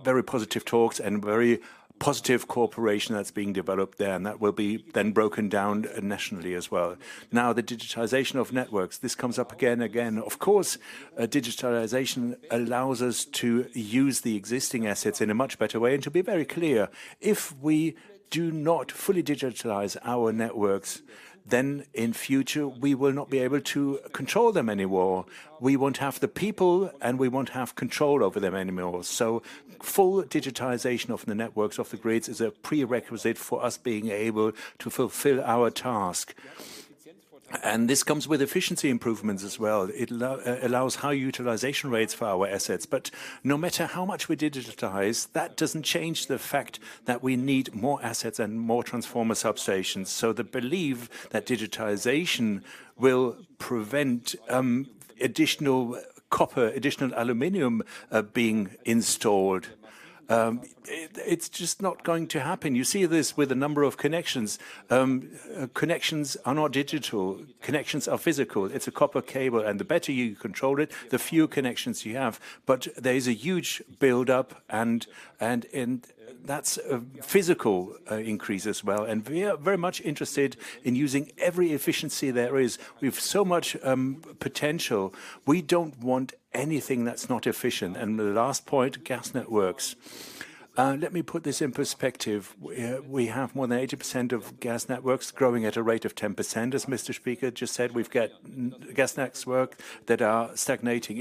very positive talks and very positive cooperation that's being developed there. And that will be then broken down nationally as well. Now, the digitalization of networks, this comes up again, again. Of course, digitalization allows us to use the existing assets in a much better way. And to be very clear, if we do not fully digitalize our networks, then in future, we will not be able to control them anymore. We won't have the people, and we won't have control over them anymore. So full digitalization of the networks, of the grids, is a prerequisite for us being able to fulfill our task. And this comes with efficiency improvements as well. It allows high utilization rates for our assets. But no matter how much we digitize, that doesn't change the fact that we need more assets and more transformer substations. So the belief that digitalization will prevent additional copper, additional aluminum being installed, it's just not going to happen. You see this with a number of connections. Connections are not digital. Connections are physical. It's a copper cable. The better you control it, the fewer connections you have. But there is a huge buildup. That's a physical increase as well. We are very much interested in using every efficiency there is. We have so much potential. We don't want anything that's not efficient. The last point, gas networks. Let me put this in perspective. We have more than 80% of gas networks growing at a rate of 10%, as Mr. Spieker just said. We've got gas networks that are stagnating.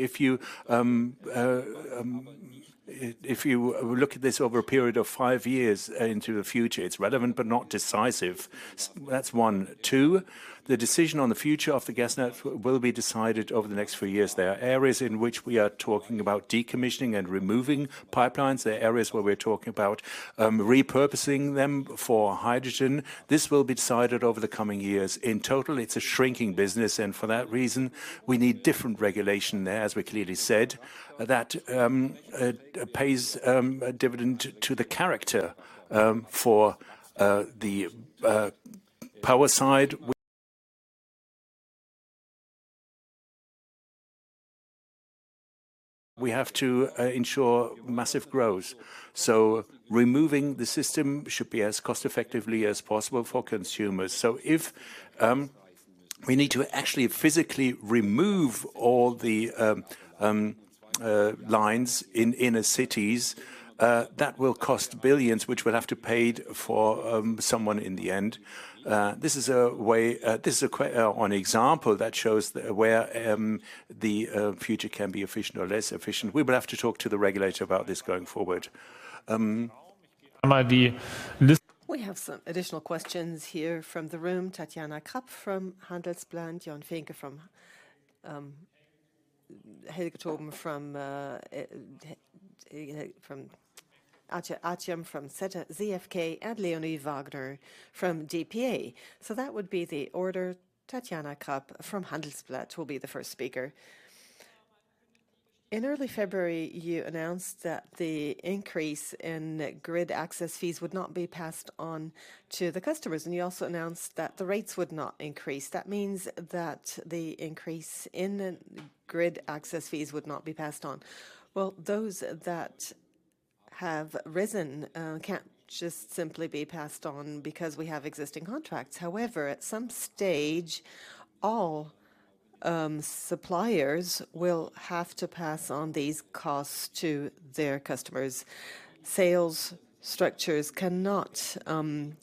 If you look at this over a period of five years into the future, it's relevant, but not decisive. That's one. Two, the decision on the future of the gas network will be decided over the next few years. There are areas in which we are talking about decommissioning and removing pipelines. There are areas where we're talking about repurposing them for hydrogen. This will be decided over the coming years. In total, it's a shrinking business. And for that reason, we need different regulation there, as we clearly said. That pays dividend to the character for the power side. We have to ensure massive growth. So removing the system should be as cost-effectively as possible for consumers. So if we need to actually physically remove all the lines in the cities, that will cost billions, which we'll have to pay for someone in the end. This is a way this is an example that shows where the future can be efficient or less efficient. We will have to talk to the regulator about this going forward. We have some additional questions here from the room. Catiana Krapp from Handelsblatt, Björn Finke from Hildegard Hoben from E&M from ZfK, and Lennart Wagner from DPA. So that would be the order. Catiana Krapp from Handelsblatt will be the first speaker. In early February, you announced that the increase in grid access fees would not be passed on to the customers. And you also announced that the rates would not increase. That means that the increase in grid access fees would not be passed on. Well, those that have risen can't just simply be passed on because we have existing contracts. However, at some stage, all suppliers will have to pass on these costs to their customers. Sales structures cannot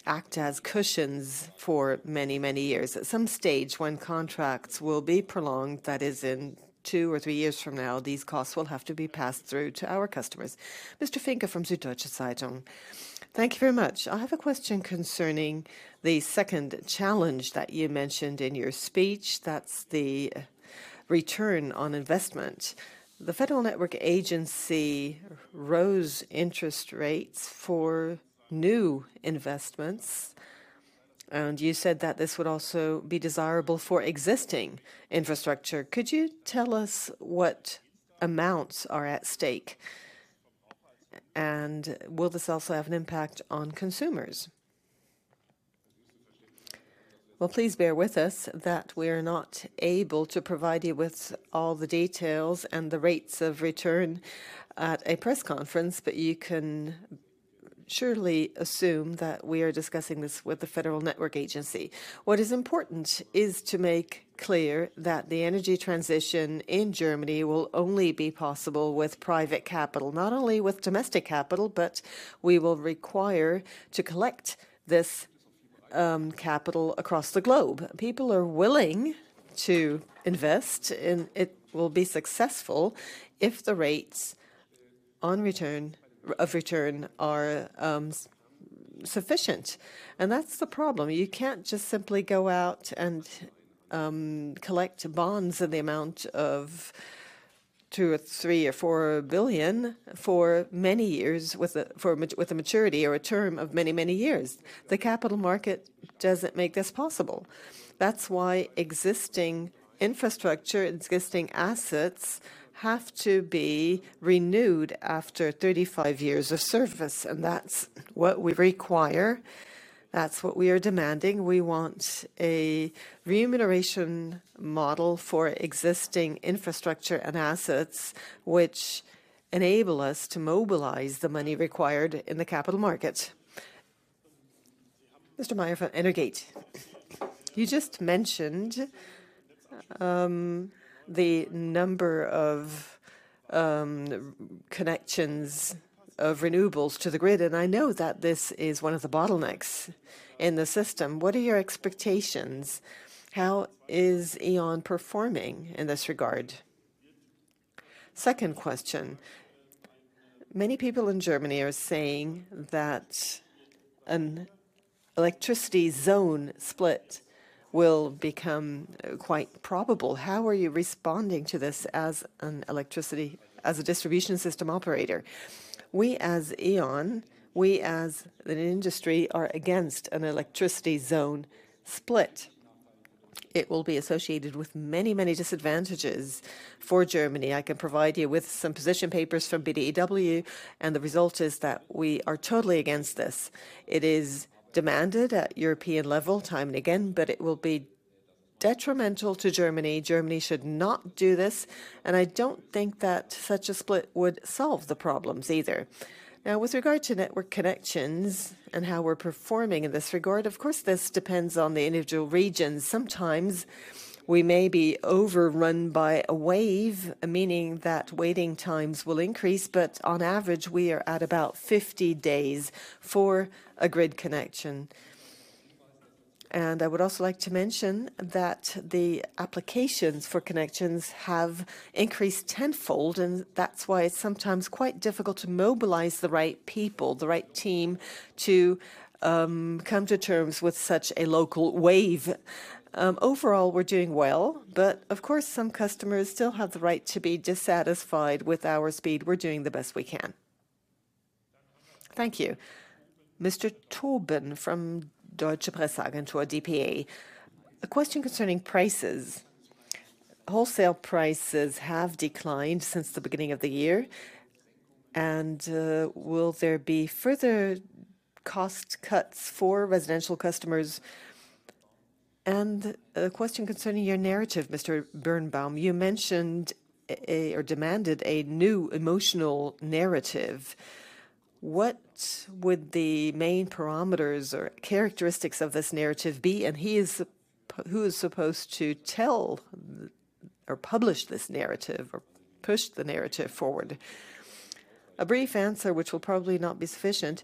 act as cushions for many, many years. At some stage, when contracts will be prolonged, that is, in two or three years from now, these costs will have to be passed through to our customers. Mr. Finke from Süddeutsche Zeitung, thank you very much. I have a question concerning the second challenge that you mentioned in your speech. That's the return on investment. The Federal Network Agency raised interest rates for new investments. And you said that this would also be desirable for existing infrastructure. Could you tell us what amounts are at stake? And will this also have an impact on consumers? Well, please bear with us that we are not able to provide you with all the details and the rates of return at a press conference. But you can surely assume that we are discussing this with the Federal Network Agency. What is important is to make clear that the energy transition in Germany will only be possible with private capital, not only with domestic capital, but we will require to collect this capital across the globe. People are willing to invest. It will be successful if the rates of return are sufficient. And that's the problem. You can't just simply go out and collect bonds in the amount of 2 or 3 or 4 billion for many years, with a maturity or a term of many, many years. The capital market doesn't make this possible. That's why existing infrastructure, existing assets have to be renewed after 35 years of service. And that's what we require. That's what we are demanding. We want a remuneration model for existing infrastructure and assets which enable us to mobilize the money required in the capital market. Mr. Meier, Energate, You just mentioned the number of connections of renewables to the grid. And I know that this is one of the bottlenecks in the system. What are your expectations? How is E.ON performing in this regard? Second question. Many people in Germany are saying that an electricity zone split will become quite probable. How are you responding to this as a distribution system operator? We, as E.ON, we as an industry, are against an electricity zone split. It will be associated with many, many disadvantages for Germany. I can provide you with some position papers from BDEW. The result is that we are totally against this. It is demanded at European level time and again. But it will be detrimental to Germany. Germany should not do this. I don't think that such a split would solve the problems either. Now, with regard to network connections and how we're performing in this regard, of course, this depends on the individual regions. Sometimes we may be overrun by a wave, meaning that waiting times will increase. But on average, we are at about 50 days for a grid connection. And I would also like to mention that the applications for connections have increased tenfold. And that's why it's sometimes quite difficult to mobilize the right people, the right team to come to terms with such a local wave. Overall, we're doing well. But of course, some customers still have the right to be dissatisfied with our speed. We're doing the best we can. Thank you. Mr. Thorben from Deutsche Presse Agentur, DPA A question concerning prices. Wholesale prices have declined since the beginning of the year. And will there be further cost cuts for residential customers? And a question concerning your narrative, Mr. Birnbaum. You mentioned or demanded a new emotional narrative. What would the main parameters or characteristics of this narrative be? Who is supposed to tell or publish this narrative or push the narrative forward? A brief answer, which will probably not be sufficient.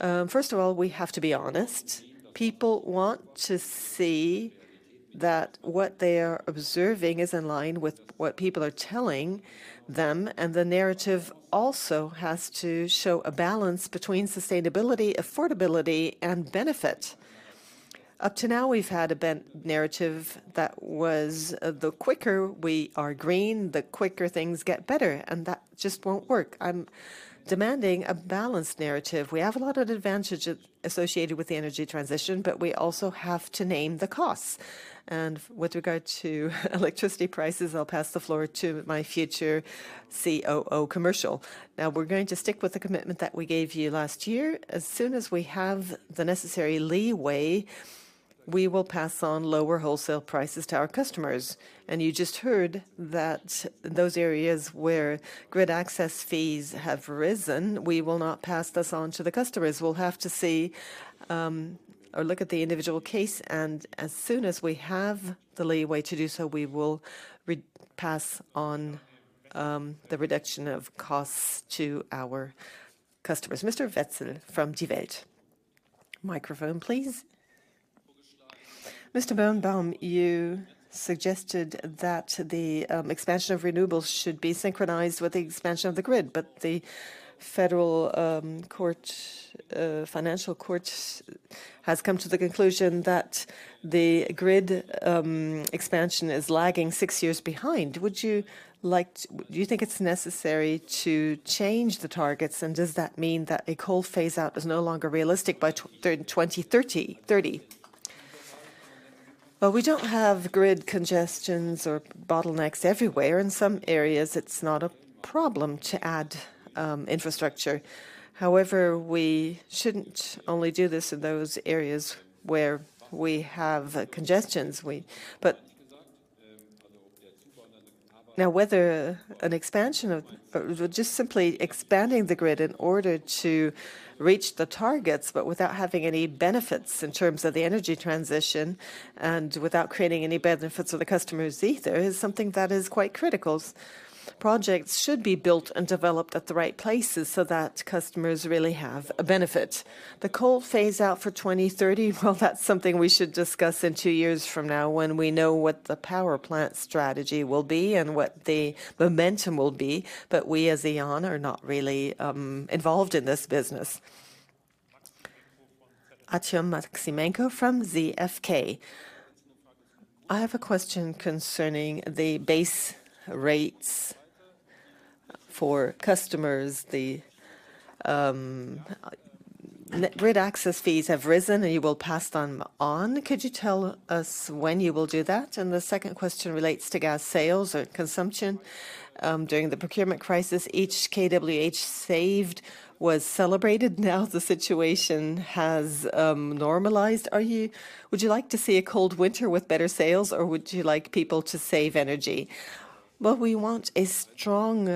First of all, we have to be honest. People want to see that what they are observing is in line with what people are telling them. The narrative also has to show a balance between sustainability, affordability, and benefit. Up to now, we've had a narrative that was the quicker we are green, the quicker things get better. That just won't work. I'm demanding a balanced narrative. We have a lot of advantages associated with the energy transition. But we also have to name the costs. With regard to electricity prices, I'll pass the floor to my future COO Commercial. Now, we're going to stick with the commitment that we gave you last year. As soon as we have the necessary leeway, we will pass on lower wholesale prices to our customers. And you just heard that those areas where grid access fees have risen, we will not pass this on to the customers. We'll have to see or look at the individual case. And as soon as we have the leeway to do so, we will pass on the reduction of costs to our customers. Mr. Wetzel from Die Welt, microphone, please. Mr. Birnbaum, you suggested that the expansion of renewables should be synchronized with the expansion of the grid. But the Federal Court of Auditors has come to the conclusion that the grid expansion is lagging six years behind. Do you think it's necessary to change the targets? And does that mean that a coal phase-out is no longer realistic by 2030? Well, we don't have grid congestions or bottlenecks everywhere. In some areas, it's not a problem to add infrastructure. However, we shouldn't only do this in those areas where we have congestions. Now, whether an expansion of just simply expanding the grid in order to reach the targets, but without having any benefits in terms of the energy transition and without creating any benefits for the customers either, is something that is quite critical. Projects should be built and developed at the right places so that customers really have a benefit. The coal phase-out for 2030, well, that's something we should discuss in two years from now when we know what the power plant strategy will be and what the momentum will be. But we, as E.ON, are not really involved in this business. Artjom Maksimenko from ZfK I have a question concerning the base rates for customers. The grid access fees have risen. You will pass them on. Could you tell us when you will do that? The second question relates to gas sales or consumption. During the procurement crisis, each kWh saved was celebrated. Now, the situation has normalized. Would you like to see a cold winter with better sales? Or would you like people to save energy? Well, we want a strong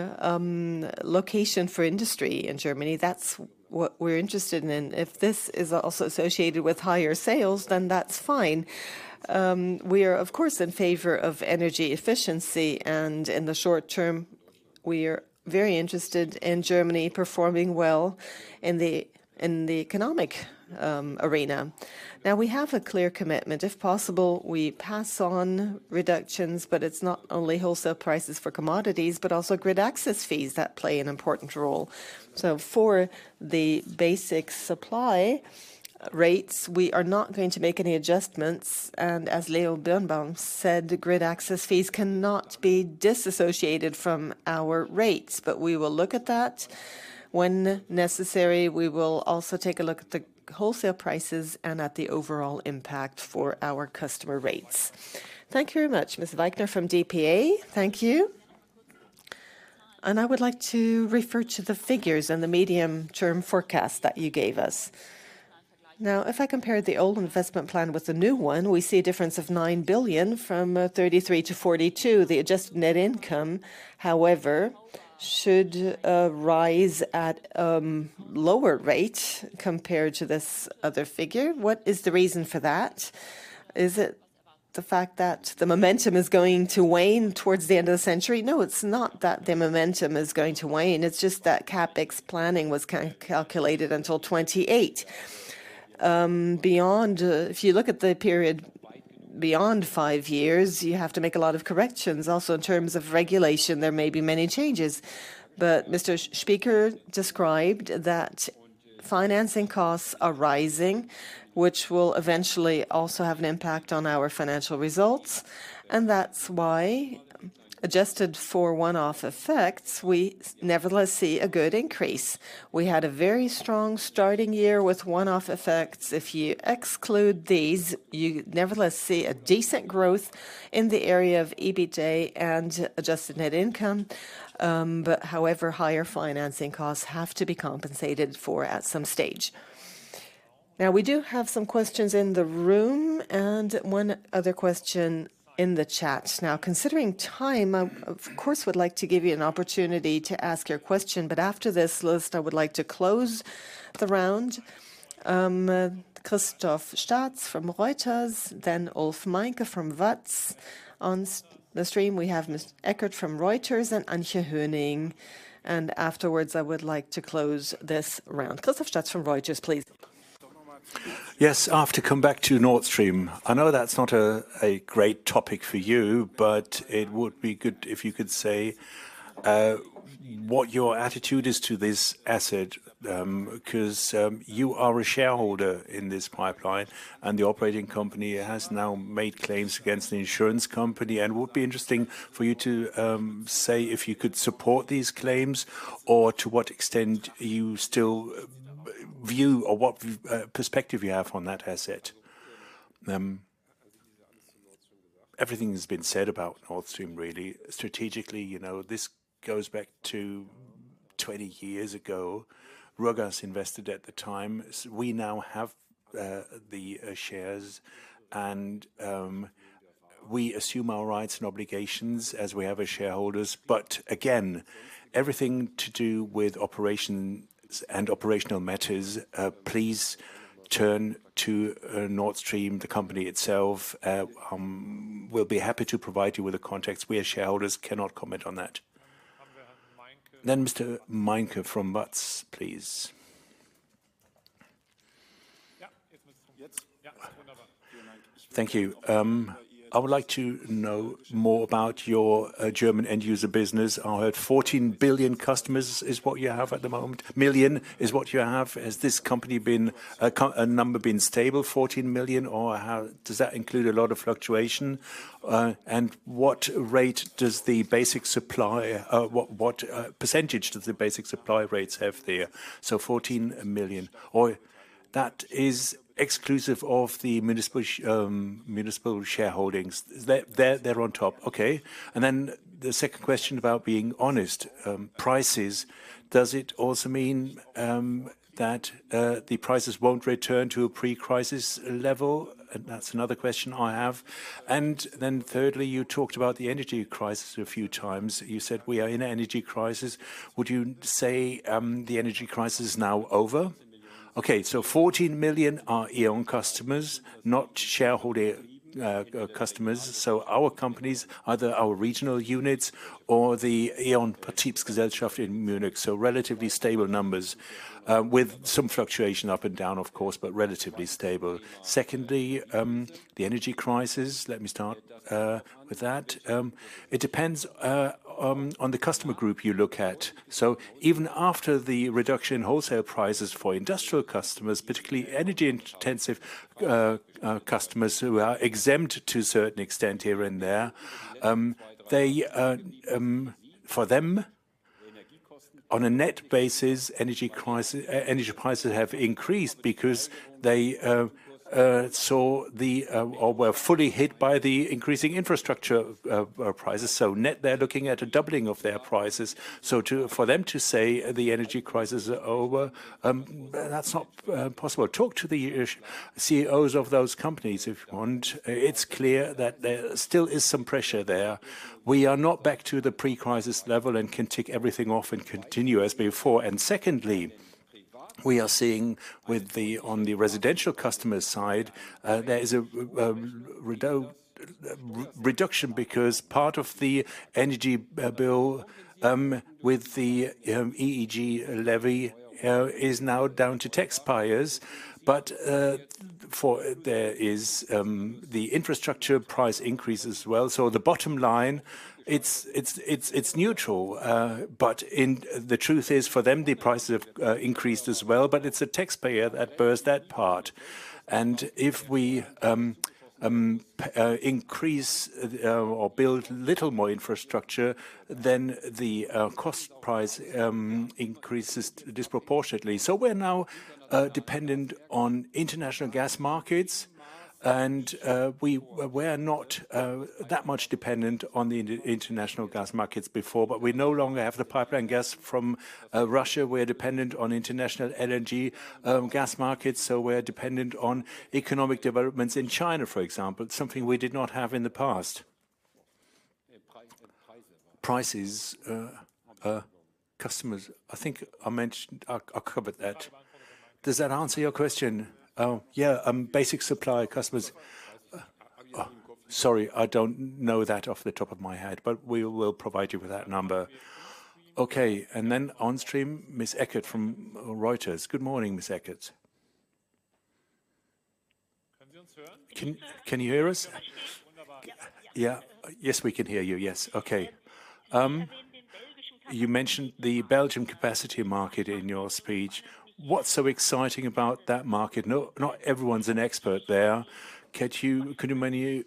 location for industry in Germany. That's what we're interested in. If this is also associated with higher sales, then that's fine. We are, of course, in favor of energy efficiency. In the short term, we are very interested in Germany performing well in the economic arena. Now, we have a clear commitment. If possible, we pass on reductions. But it's not only wholesale prices for commodities, but also grid access fees that play an important role. So for the basic supply rates, we are not going to make any adjustments. And as Leonhard Birnbaum said, grid access fees cannot be disassociated from our rates. But we will look at that. When necessary, we will also take a look at the wholesale prices and at the overall impact for our customer rates. Thank you very much. Ms. Wegner from DPA, thank you. And I would like to refer to the figures and the medium-term forecast that you gave us. Now, if I compare the old investment plan with the new one, we see a difference of 9 billion from 33 billion to 42 billion. The adjusted net income, however, should rise at a lower rate compared to this other figure. What is the reason for that? Is it the fact that the momentum is going to wane towards the end of the century? No, it's not that the momentum is going to wane. It's just that CapEx planning was calculated until 2028. If you look at the period beyond five years, you have to make a lot of corrections. Also, in terms of regulation, there may be many changes. But Mr. Spieker described that financing costs are rising, which will eventually also have an impact on our financial results. And that's why, adjusted for one-off effects, we nevertheless see a good increase. We had a very strong starting year with one-off effects. If you exclude these, you nevertheless see a decent growth in the area of EBITDA and adjusted net income. But however, higher financing costs have to be compensated for at some stage. Now, we do have some questions in the room. And one other question in the chat. Now, considering time, I of course would like to give you an opportunity to ask your question. But after this list, I would like to close the round. Christoph Steitz from Reuters, then Ulf Meinke from WAZ. On the stream, we have Ms. Eckert from Reuters and Antje Höning. And afterwards, I would like to close this round. Christoph Steitz from Reuters, please. Yes, I have to come back to Nord Stream. I know that's not a great topic for you. But it would be good if you could say what your attitude is to this asset. Because you are a shareholder in this pipeline. And the operating company has now made claims against the insurance company. And it would be interesting for you to say if you could support these claims or to what extent you still view or what perspective you have on that asset. Everything has been said about Nord Stream, really. Strategically, you know this goes back to 20 years ago. Ruhrgas invested at the time. We now have the shares. And we assume our rights and obligations as we have as shareholders. But again, everything to do with operations and operational matters, please turn to Nord Stream, the company itself. We'll be happy to provide you with the context. We, as shareholders, cannot comment on that. Then Mr. Meinke from WAZ, please. Yes, it's wonderful. Thank you. I would like to know more about your German end-user business. I heard 14 billion customers is what you have at the moment. Million is what you have. Has this company been a number been stable, 14 million? Or does that include a lot of fluctuation? And what rate does the basic supply what percentage do the basic supply rates have there? So 14 million. Or that is exclusive of the municipal shareholdings. They're on top. OK. And then the second question about being honest. Prices, does it also mean that the prices won't return to a pre-crisis level? And that's another question I have. And then thirdly, you talked about the energy crisis a few times. You said we are in an energy crisis. Would you say the energy crisis is now over? OK. So 14 million are E.ON customers, not shareholder customers. So our companies, either our regional units or the E.ON Bayern Gesellschaft in Munich. So relatively stable numbers, with some fluctuation up and down, of course, but relatively stable. Secondly, the energy crisis. Let me start with that. It depends on the customer group you look at. So even after the reduction in wholesale prices for industrial customers, particularly energy-intensive customers who are exempt to a certain extent here and there, for them, on a net basis, energy prices have increased because they were fully hit by the increasing infrastructure prices. So net, they're looking at a doubling of their prices. So for them to say the energy crisis is over, that's not possible. Talk to the CEOs of those companies if you want. It's clear that there still is some pressure there. We are not back to the pre-crisis level and can tick everything off and continue as before. And secondly, we are seeing on the residential customer side, there is a reduction because part of the energy bill with the EEG levy is now down to taxpayers. But there is the infrastructure price increase as well. So the bottom line, it's neutral. But the truth is, for them, the prices have increased as well. But it's a taxpayer that bears that part. And if we increase or build little more infrastructure, then the cost price increases disproportionately. So we're now dependent on international gas markets. And we were not that much dependent on the international gas markets before. But we no longer have the pipeline gas from Russia. We're dependent on international LNG gas markets. So we're dependent on economic developments in China, for example, something we did not have in the past. Prices, customers, I think I mentioned I'll cover that. Does that answer your question? Oh, yeah, basic supply customers. Sorry, I don't know that off the top of my head. But we will provide you with that number. OK. And then on stream, Ms. Eckert from Reuters. Good morning, Ms. Eckert. Can you hear us? Yeah, yes, we can hear you. Yes. OK. You mentioned the Belgian capacity market in your speech. What's so exciting about that market? Not everyone's an expert there. Could you maybe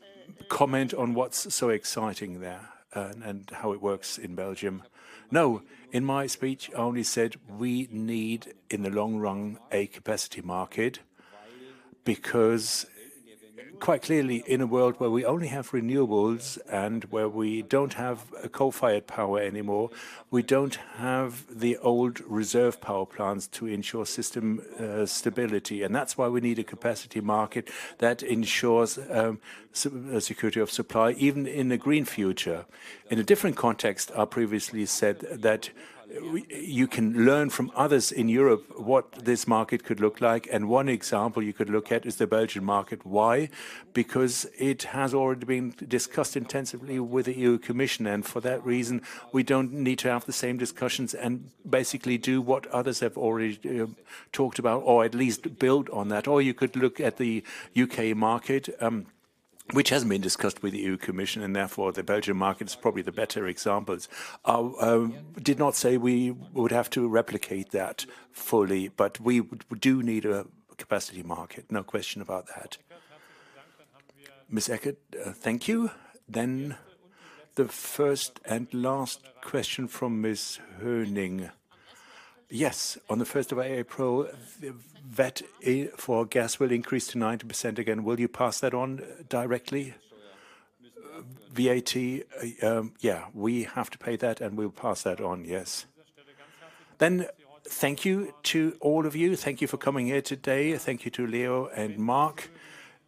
comment on what's so exciting there and how it works in Belgium? No, in my speech, I only said we need, in the long run, a capacity market. Because quite clearly, in a world where we only have renewables and where we don't have coal-fired power anymore, we don't have the old reserve power plants to ensure system stability. And that's why we need a capacity market that ensures a security of supply, even in the green future. In a different context, I previously said that you can learn from others in Europe what this market could look like. And one example you could look at is the Belgian market. Why? Because it has already been discussed intensively with the EU Commission. For that reason, we don't need to have the same discussions and basically do what others have already talked about or at least built on that. Or you could look at the UK market, which hasn't been discussed with the EU Commission. Therefore, the Belgian market is probably the better example. I did not say we would have to replicate that fully. But we do need a capacity market, no question about that. Ms. Eckert, thank you. Then the first and last question from Ms. Honing. Yes, on the 1st of April, the VAT for gas will increase to 90% again. Will you pass that on directly? VAT, yeah, we have to pay that. And we'll pass that on, yes. Then thank you to all of you. Thank you for coming here today. Thank you to Leonhard and Marc.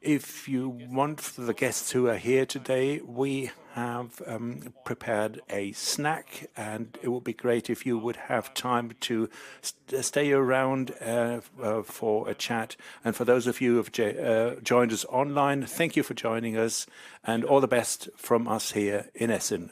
If you want, for the guests who are here today, we have prepared a snack. And it would be great if you would have time to stay around for a chat. And for those of you who have joined us online, thank you for joining us. And all the best from us here in Essen.